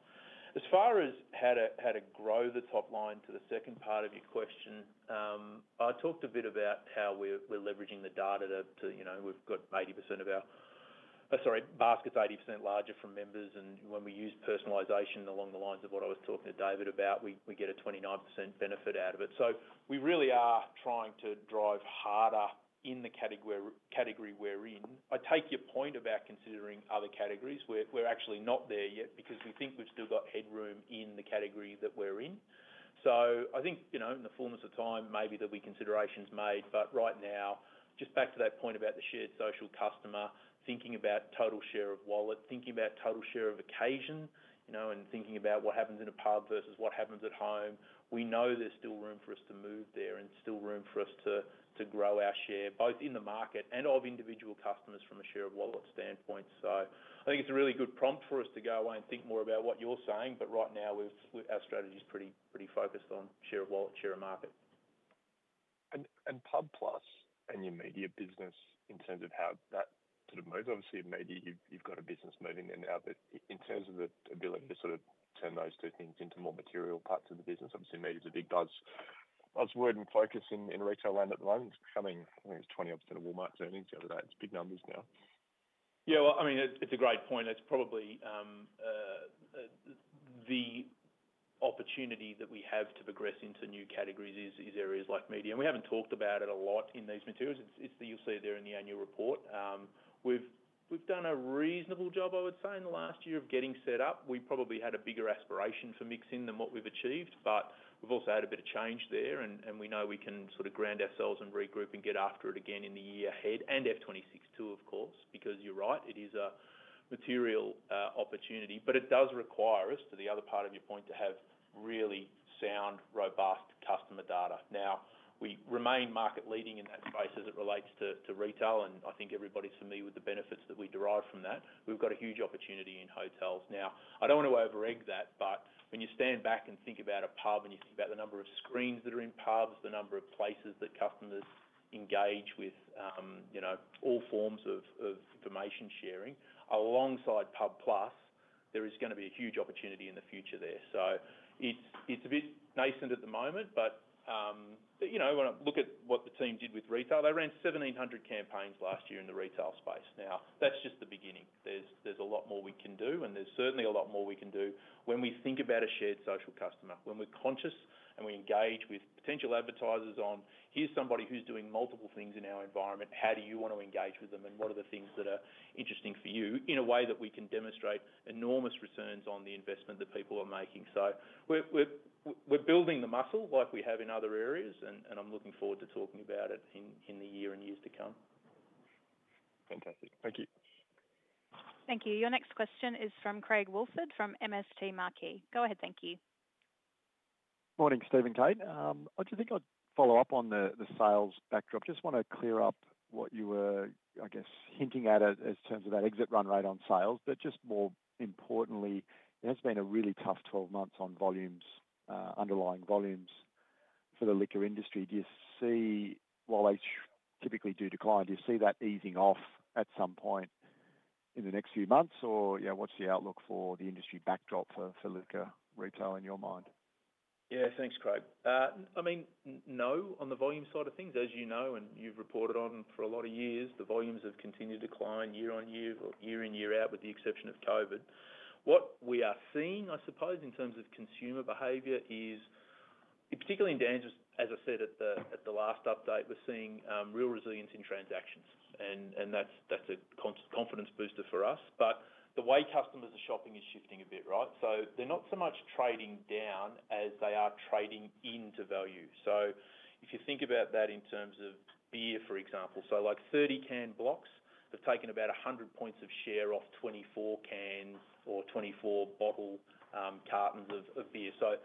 As far as how to grow the top line, to the second part of your question, I talked a bit about how we're leveraging the data to, you know, we've got 80% of our basket's 80% larger from members, and when we use personalization along the lines of what I was talking to David about, we get a 29% benefit out of it. So we really are trying to drive harder in the category we're in. I take your point about considering other categories. We're actually not there yet because we think we've still got headroom in the category that we're in. So I think, you know, in the fullness of time, maybe there'll be considerations made, but right now, just back to that point about the shared social customer, thinking about total share of wallet, thinking about total share of occasion, you know, and thinking about what happens in a pub versus what happens at home. We know there's still room for us to move there and still room for us to grow our share, both in the market and of individual customers from a share of wallet standpoint. So I think it's a really good prompt for us to go away and think more about what you're saying, but right now, our strategy is pretty focused on share of wallet, share of market. And pub+ and your media business, in terms of how that sort of moves. Obviously, maybe you've got a business moving in and out, but in terms of the ability to sort of turn those two things into more material parts of the business. Obviously, media is a big buzz word and focus in retail land at the moment. It's coming. I think it's 20-odd% of Walmart's earnings the other day. It's big numbers now. Yeah, well, I mean, it's a great point. It's probably the opportunity that we have to progress into new categories is areas like media, and we haven't talked about it a lot in these materials. You'll see it there in the annual report. We've done a reasonable job, I would say, in the last year of getting set up. We probably had a bigger aspiration for MixIn than what we've achieved, but we've also had a bit of change there, and we know we can sort of ground ourselves and regroup and get after it again in the year ahead, and F26 too, of course, because you're right, it is a material opportunity. But it does require us, to the other part of your point, to have really sound, robust customer data. Now, we remain market leading in that space as it relates to Retail, and I think everybody's familiar with the benefits that we derive from that. We've got a huge opportunity in Hotels. Now, I don't want to overegg that, but when you stand back and think about a pub, and you think about the number of screens that are in pubs, the number of places that customers engage with, you know, all forms of information sharing, alongside pub+, there is gonna be a huge opportunity in the future there. So it's a bit nascent at the moment, but you know, when I look at what the team did with Retail, they ran 1,700 campaigns last year in the retail space. Now, that's just the beginning. There's a lot more we can do, and there's certainly a lot more we can do when we think about a shared social customer. When we're conscious and we engage with potential advertisers on, "Here's somebody who's doing multiple things in our environment. How do you want to engage with them, and what are the things that are interesting for you?" In a way that we can demonstrate enormous returns on the investment that people are making. So we're building the muscle like we have in other areas, and I'm looking forward to talking about it in the year and years to come. Fantastic. Thank you. Thank you. Your next question is from Craig Woolford from MST Marquee. Go ahead, thank you. Morning, Steve and Kate. I think I'd follow up on the sales backdrop. Just want to clear up what you were, I guess, hinting at in terms of that exit run rate on sales. But just more importantly, it has been a really tough 12 months on volumes, underlying volumes for the liquor industry. Do you see, while they typically do decline, do you see that easing off at some point in the next few months, or, you know, what's the outlook for the industry backdrop for liquor retail in your mind? Yeah. Thanks, Craig. I mean, no, on the volume side of things, as you know, and you've reported on for a lot of years, the volumes have continued to decline year on year or year in, year out, with the exception of COVID. What we are seeing, I suppose, in terms of consumer behavior, is particularly in Dan's, as I said at the last update, we're seeing real resilience in transactions, and that's a confidence booster for us. But the way customers are shopping is shifting a bit, right? So they're not so much trading down as they are trading into value. So if you think about that in terms of beer, for example, like 30-can blocks have taken about a hundred points of share off 24 cans or 24 bottle cartons of beer. So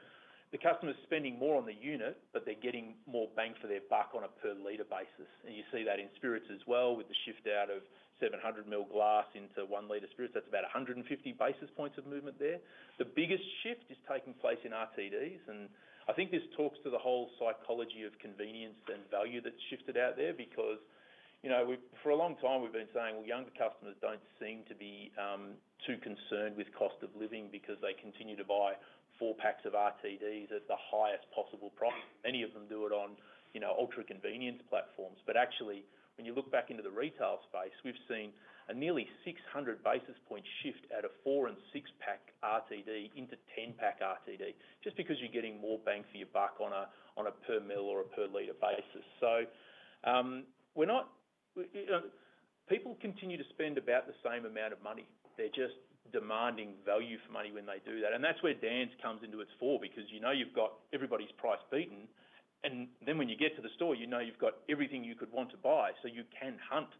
the customer is spending more on the unit, but they're getting more bang for their buck on a per liter basis. And you see that in spirits as well, with the shift out of 700 ml glass into 1 L spirits. That's about 150 basis points of movement there. The biggest shift is taking place in RTDs, and I think this talks to the whole psychology of convenience and value that's shifted out there. Because, you know, for a long time, we've been saying, well, younger customers don't seem to be too concerned with cost of living because they continue to buy four packs of RTDs at the highest possible price. Many of them do it on, you know, ultra-convenience platforms. But actually, when you look back into the retail space, we've seen a nearly 600 basis points shift out of four- and six-pack RTD into ten-pack RTD, just because you're getting more bang for your buck on a per milliliter or a per liter basis. So people continue to spend about the same amount of money. They're just demanding value for money when they do that. And that's where Dan's comes into its own, because you know you've got everybody's price beaten, and then when you get to the store, you know you've got everything you could want to buy. So you can hunt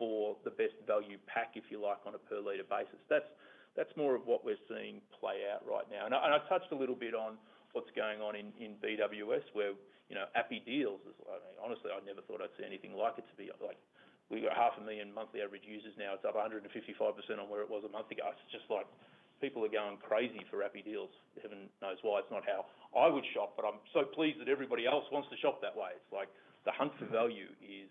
for the best value pack, if you like, on a per liter basis. That's more of what we're seeing play out right now. I touched a little bit on what's going on in BWS, where, you know, Appy Deals is. Honestly, I never thought I'd see anything like it to be, like, we've got 500,000 monthly average users now. It's up 155% on where it was a month ago. It's just like people are going crazy for Appy Deals. Heaven knows why. It's not how I would shop, but I'm so pleased that everybody else wants to shop that way. It's like the hunt for value is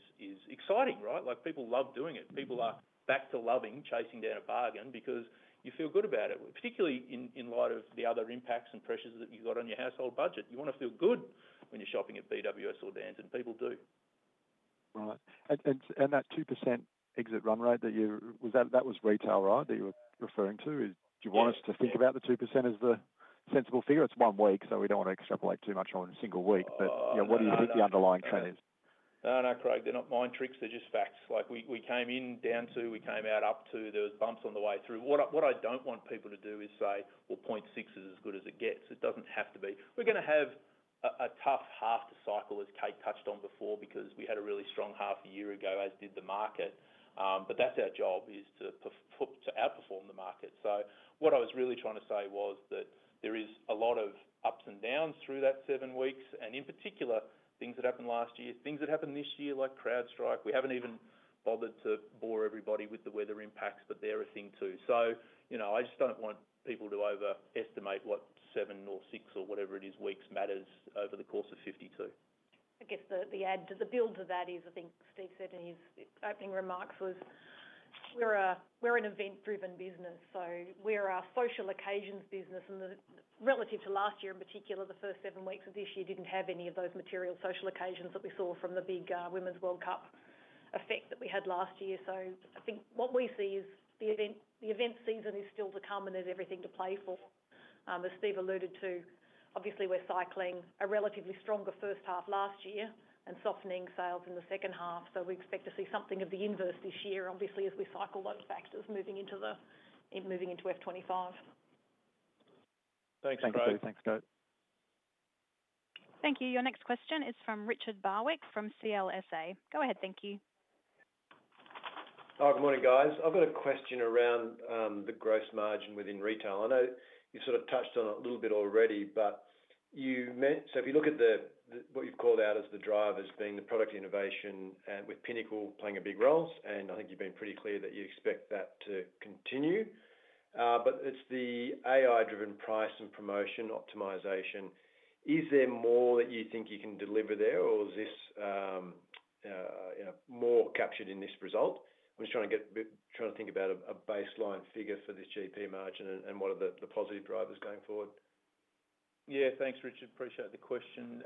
exciting, right? Like, people love doing it. People are back to loving chasing down a bargain because you feel good about it, particularly in light of the other impacts and pressures that you've got on your household budget. You want to feel good when you're shopping at BWS or Dan's, and people do. Right. And that 2% exit run rate that you... Was that retail, right? That you were referring to. Do you want us to think about the 2% as the sensible figure? It's one week, so we don't want to extrapolate too much on a single week. Oh. But, you know, what do you think the underlying trend is? No, no, Craig, they're not mind tricks, they're just facts. Like, we came in down two, we came out up two, there was bumps on the way through. What I don't want people to do is say, "Well, point six is as good as it gets." It doesn't have to be. We're gonna have a tough half to cycle, as Kate touched on before, because we had a really strong half a year ago, as did the market. But that's our job, is to outperform the market. So what I was really trying to say was that there is a lot of ups and downs through that seven weeks, and in particular, things that happened last year, things that happened this year, like CrowdStrike. We haven't even bothered to bore everybody with the weather impacts, but they're a thing, too. So, you know, I just don't want people to overestimate what seven or six or whatever it is, weeks matters over the course of 52. I guess to add to that is, I think Steve said in his opening remarks was we're a, we're an event-driven business, so we're a social occasions business. And the relative to last year, in particular, the first seven weeks of this year didn't have any of those material social occasions that we saw from the big Women's World Cup effect that we had last year. So I think what we see is the event season is still to come, and there's everything to play for. As Steve alluded to, obviously, we're cycling a relatively stronger first half last year and softening sales in the second half, so we expect to see something of the inverse this year, obviously, as we cycle those factors moving into F25. Thanks, Kate. Thank you. Thanks, Kate. Thank you. Your next question is from Richard Barwick, from CLSA. Go ahead, thank you. Hi, good morning, guys. I've got a question around the gross margin within retail. I know you sort of touched on it a little bit already, but you meant. So if you look at the what you've called out as the drivers being the product innovation and with Pinnacle playing a big role, and I think you've been pretty clear that you expect that to continue. But it's the AI-driven price and promotion optimization, is there more that you think you can deliver there, or is this you know, more captured in this result? I'm just trying to think about a baseline figure for this GP margin and what are the positive drivers going forward. Yeah. Thanks, Richard. Appreciate the question.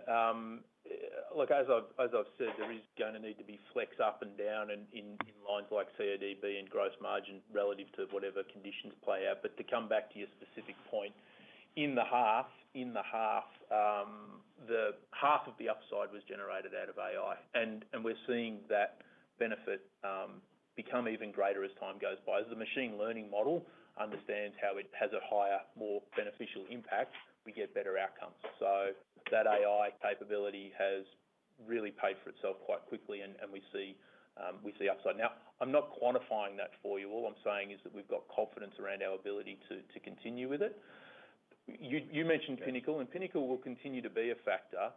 Look, as I've said, there is gonna need to be flex up and down in lines like CODB and gross margin relative to whatever conditions play out. But to come back to your specific point, in the half, the half of the upside was generated out of AI, and we're seeing that benefit become even greater as time goes by. As the machine learning model understands how it has a higher, more beneficial impact, we get better outcomes. So that AI capability has really paid for itself quite quickly, and we see upside. Now, I'm not quantifying that for you. All I'm saying is that we've got confidence around our ability to continue with it. You mentioned Pinnacle, and Pinnacle will continue to be a factor.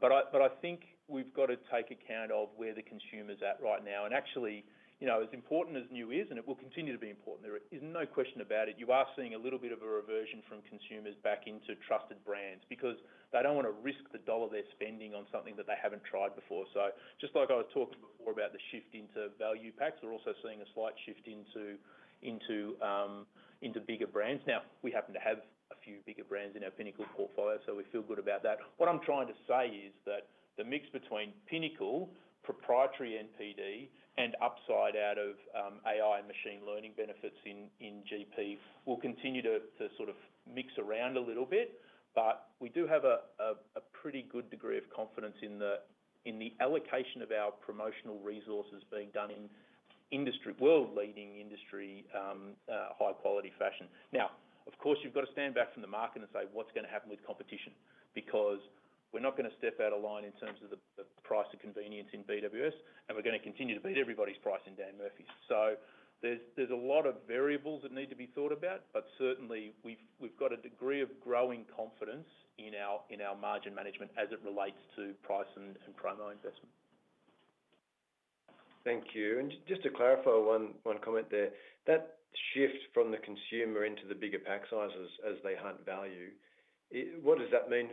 But I think we've got to take account of where the consumer's at right now. And actually, you know, as important as new is, and it will continue to be important, there is no question about it, you are seeing a little bit of a reversion from consumers back into trusted brands because they don't want to risk the dollar they're spending on something that they haven't tried before. So just like I talked before about the shift into value packs, we're also seeing a slight shift into bigger brands. Now, we happen to have a few bigger brands in our Pinnacle portfolio, so we feel good about that. What I'm trying to say is that the mix between Pinnacle, proprietary NPD, and upside out of AI machine learning benefits in GP will continue to sort of mix around a little bit, but we do have a pretty good degree of confidence in the allocation of our promotional resources being done in industry-world-leading industry, high-quality fashion. Now, of course, you've got to stand back from the market and say: What's going to happen with competition? Because we're not gonna step out of line in terms of the price and convenience in BWS, and we're gonna continue to beat everybody's price in Dan Murphy's. So there's a lot of variables that need to be thought about, but certainly, we've got a degree of growing confidence in our margin management as it relates to price and promo investment. Thank you. And just to clarify one comment there. That shift from the consumer into the bigger pack sizes as they hunt value, what does that mean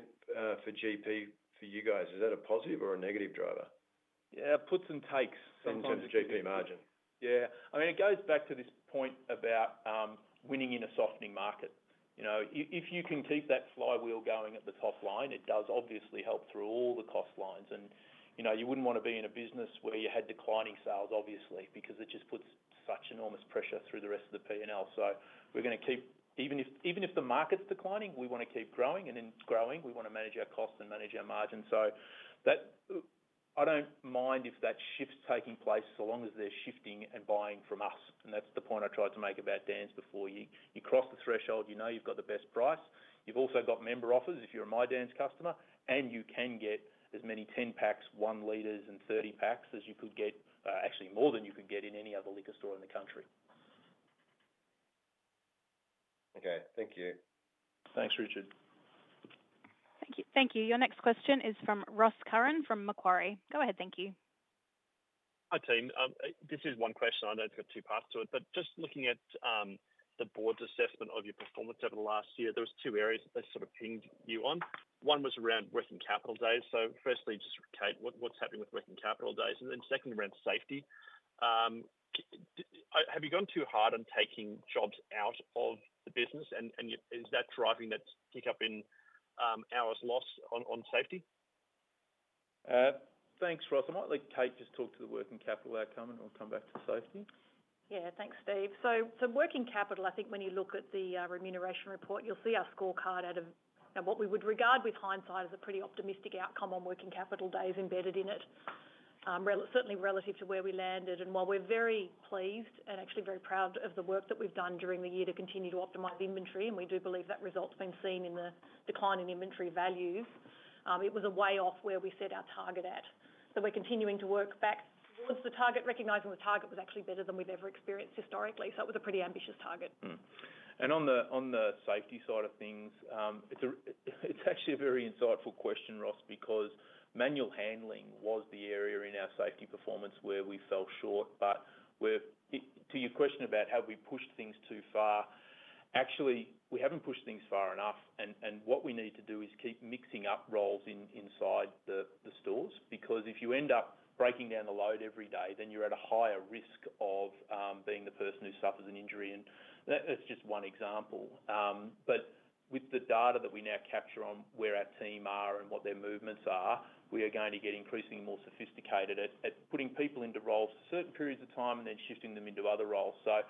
for GP for you guys? Is that a positive or a negative driver? Yeah, puts and takes- In terms of GP margin. Yeah. I mean, it goes back to this point about winning in a softening market. You know, if you can keep that flywheel going at the top line, it does obviously help through all the cost lines. And, you know, you wouldn't want to be in a business where you had declining sales, obviously, because it just puts such enormous pressure through the rest of the P&L. So we're gonna keep... Even if the market's declining, we wanna keep growing, and it's growing. We wanna manage our costs and manage our margins. So that, I don't mind if that shift's taking place, so long as they're shifting and buying from us, and that's the point I tried to make about Dan's before. You cross the threshold, you know you've got the best price. You've also got member offers if you're a My Dan's customer, and you can get as many 10 packs, 1 L, and 30 packs as you could get, actually more than you could get in any other liquor store in the country. Okay, thank you. Thanks, Richard. Thank you. Thank you. Your next question is from Ross Curran, from Macquarie. Go ahead, thank you. Hi, team. This is one question, I know it's got two parts to it, but just looking at the board's assessment of your performance over the last year, there was two areas that they sort of pinged you on. One was around working capital days. So firstly, just Kate, what's happening with working capital days? And then secondly, around safety. Have you gone too hard on taking jobs out of the business? And is that driving that kick up in hours lost on safety? Thanks, Ross. I might let Kate just talk to the working capital outcome, and I'll come back to safety. Yeah. Thanks, Steve. So working capital, I think when you look at the remuneration report, you'll see our scorecard out of, and what we would regard with hindsight, as a pretty optimistic outcome on working capital days embedded in it. Certainly relative to where we landed, and while we're very pleased and actually very proud of the work that we've done during the year to continue to optimize inventory, and we do believe that result's been seen in the decline in inventory values, it was a way off where we set our target at. So we're continuing to work back towards the target, recognizing the target was actually better than we've ever experienced historically. So it was a pretty ambitious target. And on the safety side of things, it's actually a very insightful question, Ross, because manual handling was the area in our safety performance where we fell short. But to your question about have we pushed things too far? Actually, we haven't pushed things far enough, and what we need to do is keep mixing up roles inside the stores. Because if you end up breaking down the load every day, then you're at a higher risk of being the person who suffers an injury, and that is just one example. But with the data that we now capture on where our team are and what their movements are, we are going to get increasingly more sophisticated at putting people into roles for certain periods of time and then shifting them into other roles. So,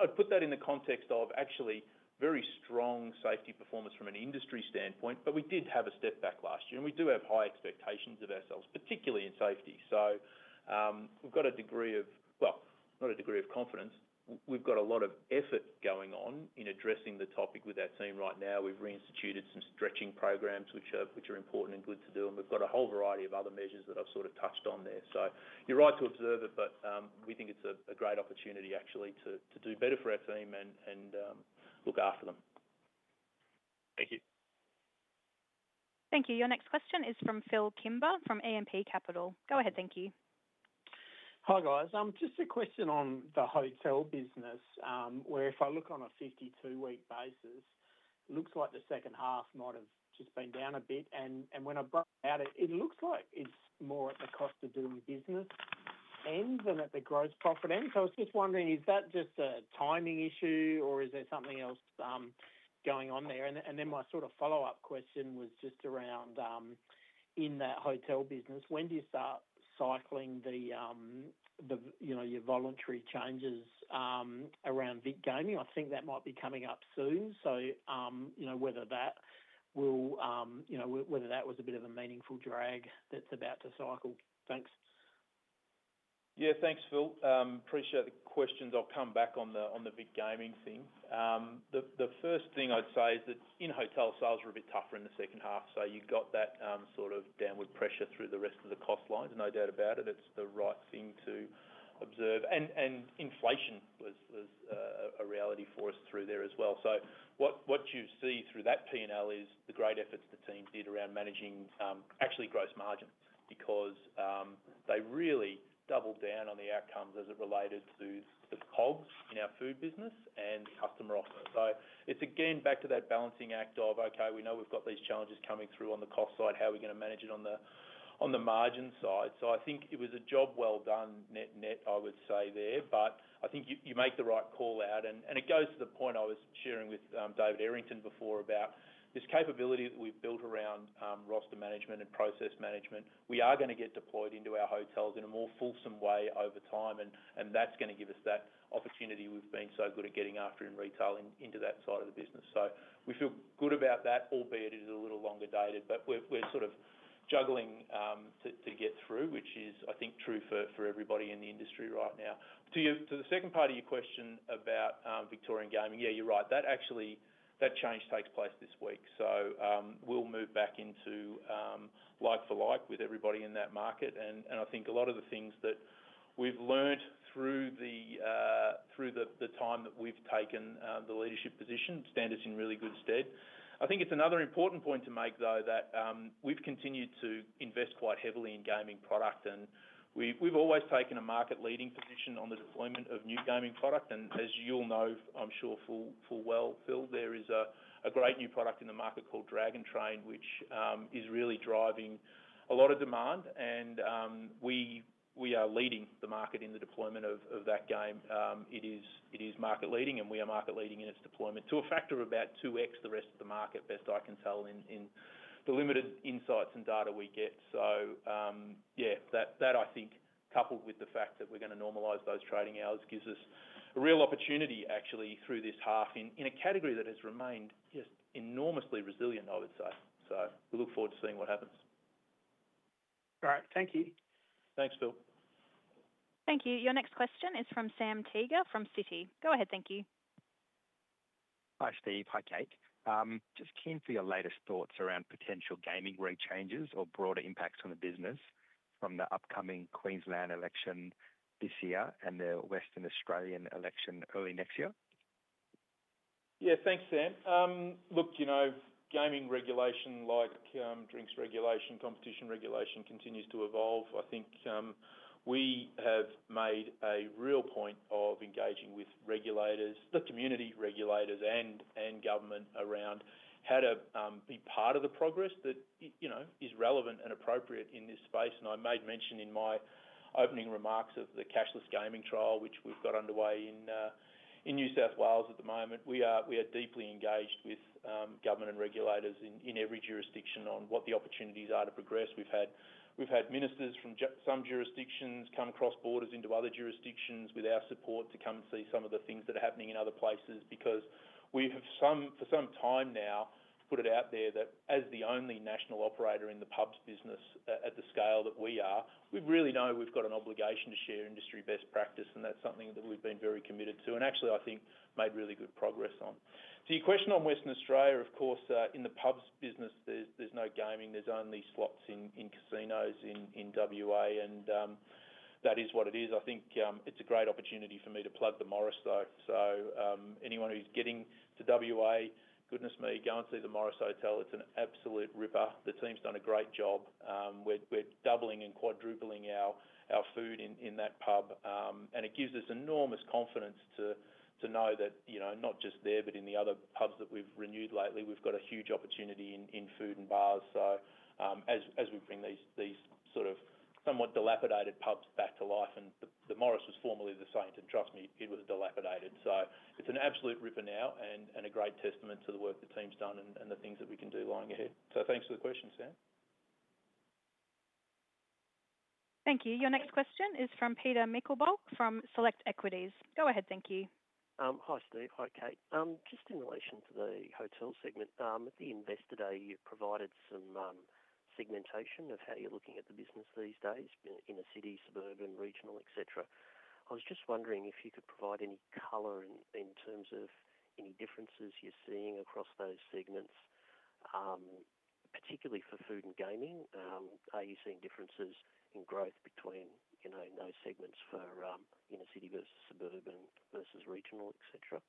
I'd put that in the context of actually very strong safety performance from an industry standpoint, but we did have a step back last year, and we do have high expectations of ourselves, particularly in safety. So, we've got a degree of, well, not a degree of confidence. We've got a lot of effort going on in addressing the topic with our team right now. We've reinstituted some stretching programs, which are important and good to do, and we've got a whole variety of other measures that I've sort of touched on there. So, you're right to observe it, but, we think it's a great opportunity actually, to do better for our team and look after them. Thank you. Thank you. Your next question is from Phil Kimber, from E&P Capital. Go ahead, thank you. Hi, guys. Just a question on the hotel business, where if I look on a 52-week basis, it looks like the second half might have just been down a bit, and when I broke it out, it looks like it's more at the cost of doing business end than at the gross profit end. So I was just wondering, is that just a timing issue or is there something else going on there? And then my sort of follow-up question was just around, in that hotel business, when do you start cycling the, you know, your voluntary changes around Vic gaming? I think that might be coming up soon, so, you know, whether that will, you know, whether that was a bit of a meaningful drag that's about to cycle. Thanks. Yeah, thanks, Phil. Appreciate the questions. I'll come back on the Vic gaming thing. The first thing I'd say is that in-hotel sales were a bit tougher in the second half, so you've got that sort of downward pressure through the rest of the cost lines. No doubt about it, it's the right thing to observe. And inflation was a reality for us through there as well. So what you see through that P&L is the great efforts the team did around managing actually gross margins. Because they really doubled down on the outcomes as it related to the COGS in our Food business and customer offer. So it's again, back to that balancing act of, okay, we know we've got these challenges coming through on the cost side. How are we gonna manage it on the margin side? So I think it was a job well done, net, net, I would say there, but I think you make the right call out, and it goes to the point I was sharing with David Errington before about this capability that we've built around roster management and process management. We are gonna get deployed into our hotels in a more fulsome way over time, and that's gonna give us that opportunity we've been so good at getting after in retail and into that side of the business. So we feel good about that, albeit it is a little longer dated, but we're sort of juggling to get through, which is, I think, true for everybody in the industry right now. To the second part of your question about Victorian gaming, yeah, you're right. That actually, that change takes place this week, so we'll move back into like for like with everybody in that market. And I think a lot of the things that we've learned through the time that we've taken the leadership position stands us in really good stead. I think it's another important point to make, though, that we've continued to invest quite heavily in Gaming product, and we've always taken a market leading position on the deployment of new Gaming product. And as you all know, I'm sure full well, Phil, there is a great new product in the market called Dragon Train, which is really driving a lot of demand and we are leading the market in the deployment of that game. It is market leading, and we are market leading in its deployment to a factor of about 2x the rest of the market, best I can tell, in the limited insights and data we get. So, yeah, that I think, coupled with the fact that we're gonna normalize those trading hours, gives us a real opportunity actually through this half in a category that has remained just enormously resilient, I would say. So we look forward to seeing what happens. All right. Thank you. Thanks, Phil. Thank you. Your next question is from Sam Teeger, from Citi. Go ahead, thank you. Hi, Steve. Hi, Kate. Just keen for your latest thoughts around potential gaming rate changes or broader impacts on the business from the upcoming Queensland election this year and the Western Australia election early next year. Yeah, thanks, Sam. Look, you know, gaming regulation, like, drinks regulation, competition regulation, continues to evolve. I think we have made a real point of engaging with regulators, the community regulators and government around how to be part of the progress that you know is relevant and appropriate in this space, and I made mention in my opening remarks of the cashless gaming trial, which we've got underway in New South Wales at the moment. We are deeply engaged with government and regulators in every jurisdiction on what the opportunities are to progress. We've had ministers from some jurisdictions come across borders into other jurisdictions with our support, to come and see some of the things that are happening in other places. Because we have some, for some time now, put it out there that as the only national operator in the pubs business at the scale that we are, we really know we've got an obligation to share industry best practice, and that's something that we've been very committed to, and actually, I think, made really good progress on. So your question on Western Australia, of course, in the pubs business, there's no gaming, there's only slots in casinos in WA, and that is what it is. I think it's a great opportunity for me to plug the Morris though. So anyone who's getting to WA, goodness me, go and see the Morris Hotel. It's an absolute ripper. The team's done a great job. We're doubling and quadrupling our food in that pub, and it gives us enormous confidence to know that, you know, not just there, but in the other pubs that we've renewed lately, we've got a huge opportunity in Food and Bars. So, as we bring these sort of somewhat dilapidated pubs back to life, and The Morris was formerly The Saint, and trust me, it was dilapidated. So it's an absolute ripper now and a great testament to the work the team's done and the things that we can do lying ahead. So thanks for the question, Sam. Thank you. Your next question is from Peter Michelbach from Select Equities. Go ahead, thank you. Hi, Steve. Hi, Kate. Just in relation to the hotel segment, at the investor day, you provided some segmentation of how you're looking at the business these days, inner city, suburban, regional, et cetera. I was just wondering if you could provide any color in terms of any differences you're seeing across those segments, particularly for Food and Gaming. Are you seeing differences in growth between, you know, in those segments for inner city versus suburban versus regional, et cetera?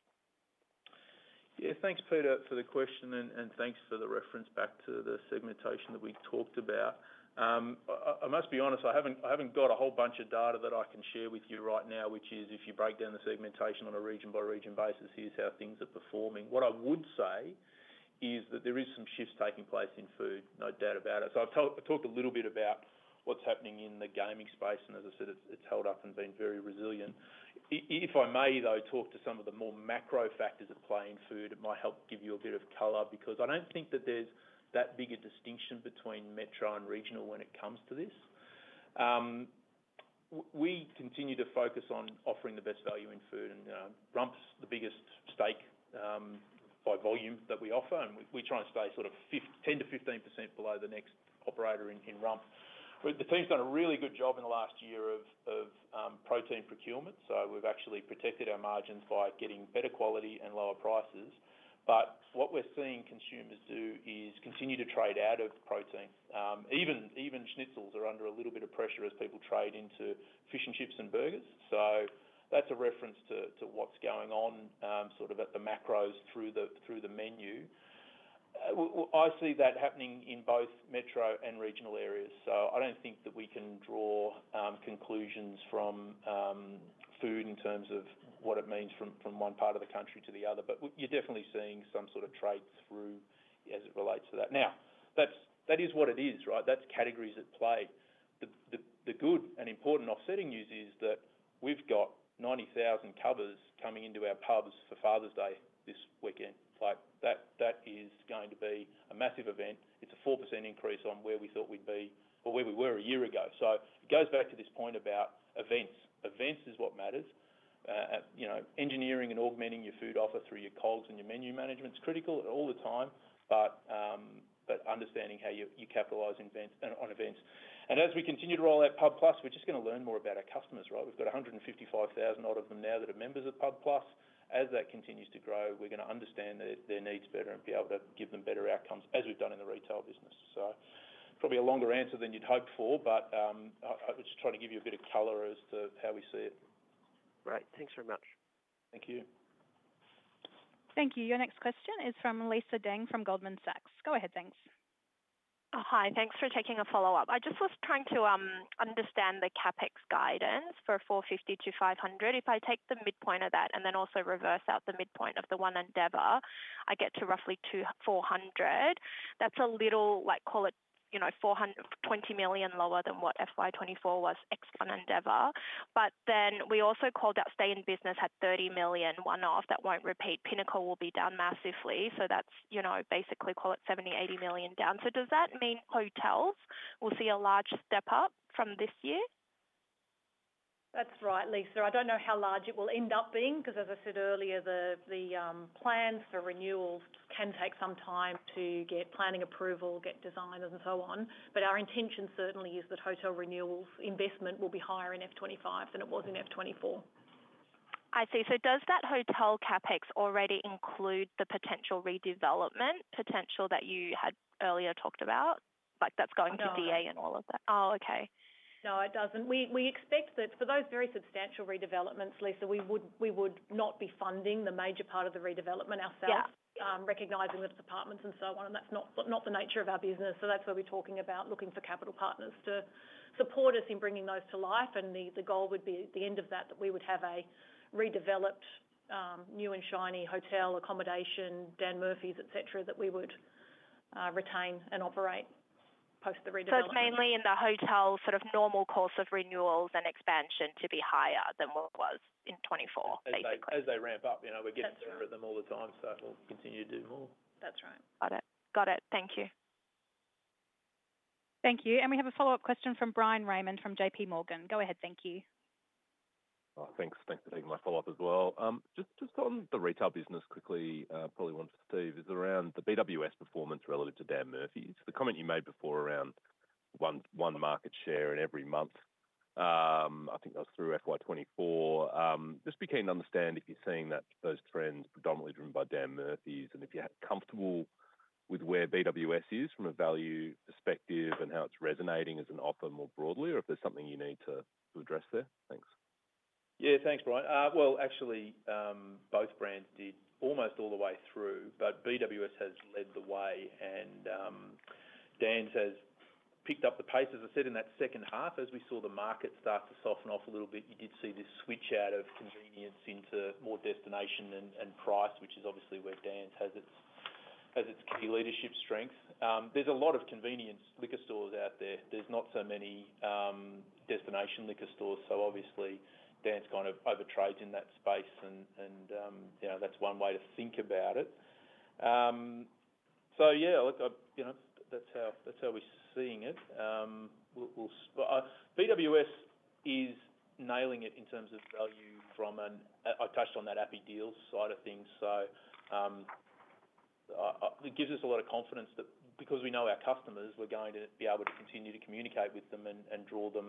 Yeah. Thanks, Peter, for the question, and thanks for the reference back to the segmentation that we talked about. I must be honest. I haven't got a whole bunch of data that I can share with you right now, which is if you break down the segmentation on a region-by-region basis, here's how things are performing. What I would say is that there is some shifts taking place in food, no doubt about it. So I talked a little bit about what's happening in the gaming space, and as I said, it's held up and been very resilient. If I may, though, talk to some of the more macro factors at play in Food, it might help give you a bit of color, because I don't think that there's that big a distinction between metro and regional when it comes to this. We continue to focus on offering the best value in Food, and rump's the biggest steak by volume that we offer, and we try and stay sort of 10%-15% below the next operator in rump. But the team's done a really good job in the last year of protein procurement, so we've actually protected our margins by getting better quality and lower prices. But what we're seeing consumers do is continue to trade out of protein. Even schnitzels are under a little bit of pressure as people trade into fish and chips and burgers. So that's a reference to what's going on sort of at the macros through the menu. I see that happening in both metro and regional areas, so I don't think that we can draw conclusions from food in terms of what it means from one part of the country to the other. But you're definitely seeing some sort of trade through as it relates to that. Now, that's what it is, right? That's categories at play. The good and important offsetting news is that we've got 90,000 covers coming into our pubs for Father's Day this weekend. Like, that is going to be a massive event. It's a 4% increase on where we thought we'd be or where we were a year ago, so it goes back to this point about events. Events is what matters. You know, engineering and augmenting your food offer through your calls and your menu management is critical all the time, but understanding how you capitalize on events. And as we continue to roll out pub+, we're just gonna learn more about our customers, right? We've got 155,000-odd of them now that are members of pub+. As that continues to grow, we're gonna understand their needs better and be able to give them better outcomes, as we've done in the retail business. So probably a longer answer than you'd hoped for, but I was just trying to give you a bit of color as to how we see it. Great. Thanks very much. Thank you. Thank you. Your next question is from Lisa Deng from Goldman Sachs. Go ahead. Thanks. Hi. Thanks for taking a follow-up. I just was trying to understand the CapEx guidance for 450 million-500 million. If I take the midpoint of that and then also reverse out the midpoint of the One Endeavour, I get to roughly 240 million. That's a little, like, call it, you know, 420 million lower than what FY 2024 was, ex One Endeavour. But then we also called out stay in business had 30 million, one-off that won't repeat. Pinnacle will be down massively, so that's, you know, basically, call it 70 million-80 million down. So does that mean Hotels will see a large step up from this year? That's right, Lisa. I don't know how large it will end up being, 'cause as I said earlier, plans for renewals can take some time to get planning approval, get designers, and so on. But our intention certainly is that hotel renewals investment will be higher in F25 than it was in F24. I see. So does that Hotel CapEx already include the potential redevelopment potential that you had earlier talked about? Like, that's going to- No. DA and all of that. Oh, okay. No, it doesn't. We expect that for those very substantial redevelopments, Lisa, we would not be funding the major part of the redevelopment ourselves- Yeah... recognizing that it's apartments and so on, and that's not the nature of our business. So that's where we're talking about looking for capital partners to support us in bringing those to life, and the goal would be, at the end of that, that we would have a redeveloped, new and shiny hotel accommodation, Dan Murphy's, et cetera, that we would retain and operate post the redevelopment. So it's mainly in the hotel, sort of, normal course of renewals and expansion to be higher than what it was in 2024, basically. As they ramp up, you know- That's right We're getting better at them all the time, so we'll continue to do more. That's right. Got it. Got it. Thank you. Thank you, and we have a follow-up question from Bryan Raymond from JP Morgan. Go ahead, thank you. Thanks. Thanks for taking my follow-up as well. Just on the retail business quickly, probably one for Steve, is around the BWS performance relative to Dan Murphy's. The comment you made before around one market share in every month. I think that was through FY 2024. Just want to understand if you're seeing that those trends predominantly driven by Dan Murphy's, and if you're comfortable with where BWS is from a value perspective and how it's resonating as an offer more broadly, or if there's something you need to address there? Thanks. Yeah, thanks, Brian. Well, actually, both brands did almost all the way through, but BWS has led the way and Dan's has picked up the pace. As I said, in that second half, as we saw the market start to soften off a little bit, you did see this switch out of convenience into more destination and price, which is obviously where Dan's has its key leadership strength. There's a lot of convenience liquor stores out there. There's not so many destination liquor stores, so obviously, Dan's kind of overtrades in that space, and you know, that's one way to think about it. So yeah, look, you know, that's how we're seeing it. BWS is nailing it in terms of value from an... I touched on that Appy Deals side of things, so it gives us a lot of confidence that because we know our customers, we're going to be able to continue to communicate with them and draw them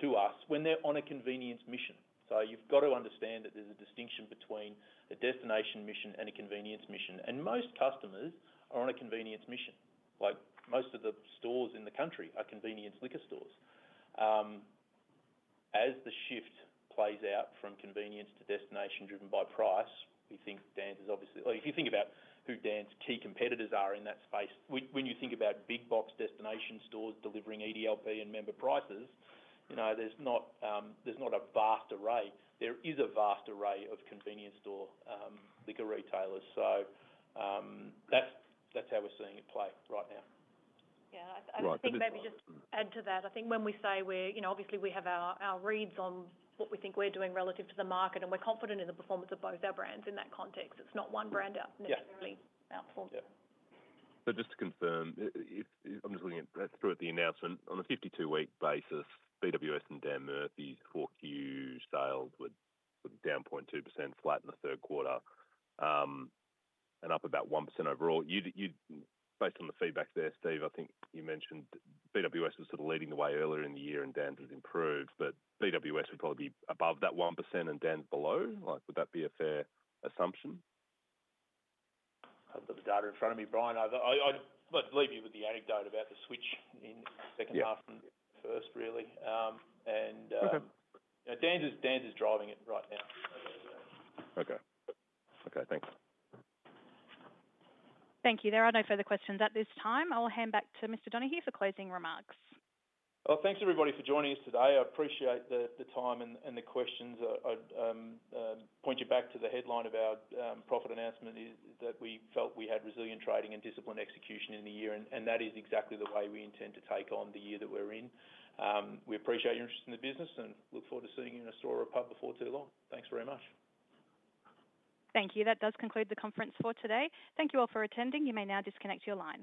to us when they're on a convenience mission. So you've got to understand that there's a distinction between a destination mission and a convenience mission, and most customers are on a convenience mission. Like, most of the stores in the country are convenience liquor stores. As the shift plays out from convenience to destination driven by price, we think Dan's is obviously- if you think about who Dan's key competitors are in that space, when you think about big box destination stores delivering EDLP and member prices, you know, there's not a vast array. There is a vast array of convenience store liquor retailers. So, that's how we're seeing it play right now. Yeah. Right. I think maybe just to add to that, I think when we say we're, you know, obviously, we have our reads on what we think we're doing relative to the market, and we're confident in the performance of both our brands in that context. It's not one brand out- Yeah... necessarily outperform. Yeah. So just to confirm, if I'm just looking through the announcement, on a 52-week basis, BWS and Dan Murphy's core Q sales were down 0.2%, flat in the third quarter, and up about 1% overall. You'd based on the feedback there, Steve, I think you mentioned BWS was sort of leading the way earlier in the year and Dan's has improved, but BWS would probably be above that 1% and Dan's below. Like, would that be a fair assumption? I don't have the data in front of me, Brian. Let's leave you with the anecdote about the switch in second. Yeah half and first, really. Okay. Dan's is driving it right now. Okay. Okay, thanks. Thank you. There are no further questions at this time. I will hand back to Mr. Donohue for closing remarks. Thanks, everybody, for joining us today. I appreciate the time and the questions. I'd point you back to the headline of our profit announcement is that we felt we had resilient trading and disciplined execution in the year, and that is exactly the way we intend to take on the year that we're in. We appreciate your interest in the business and look forward to seeing you in a store or a pub before too long. Thanks very much. Thank you. That does conclude the conference for today. Thank you all for attending. You may now disconnect your lines.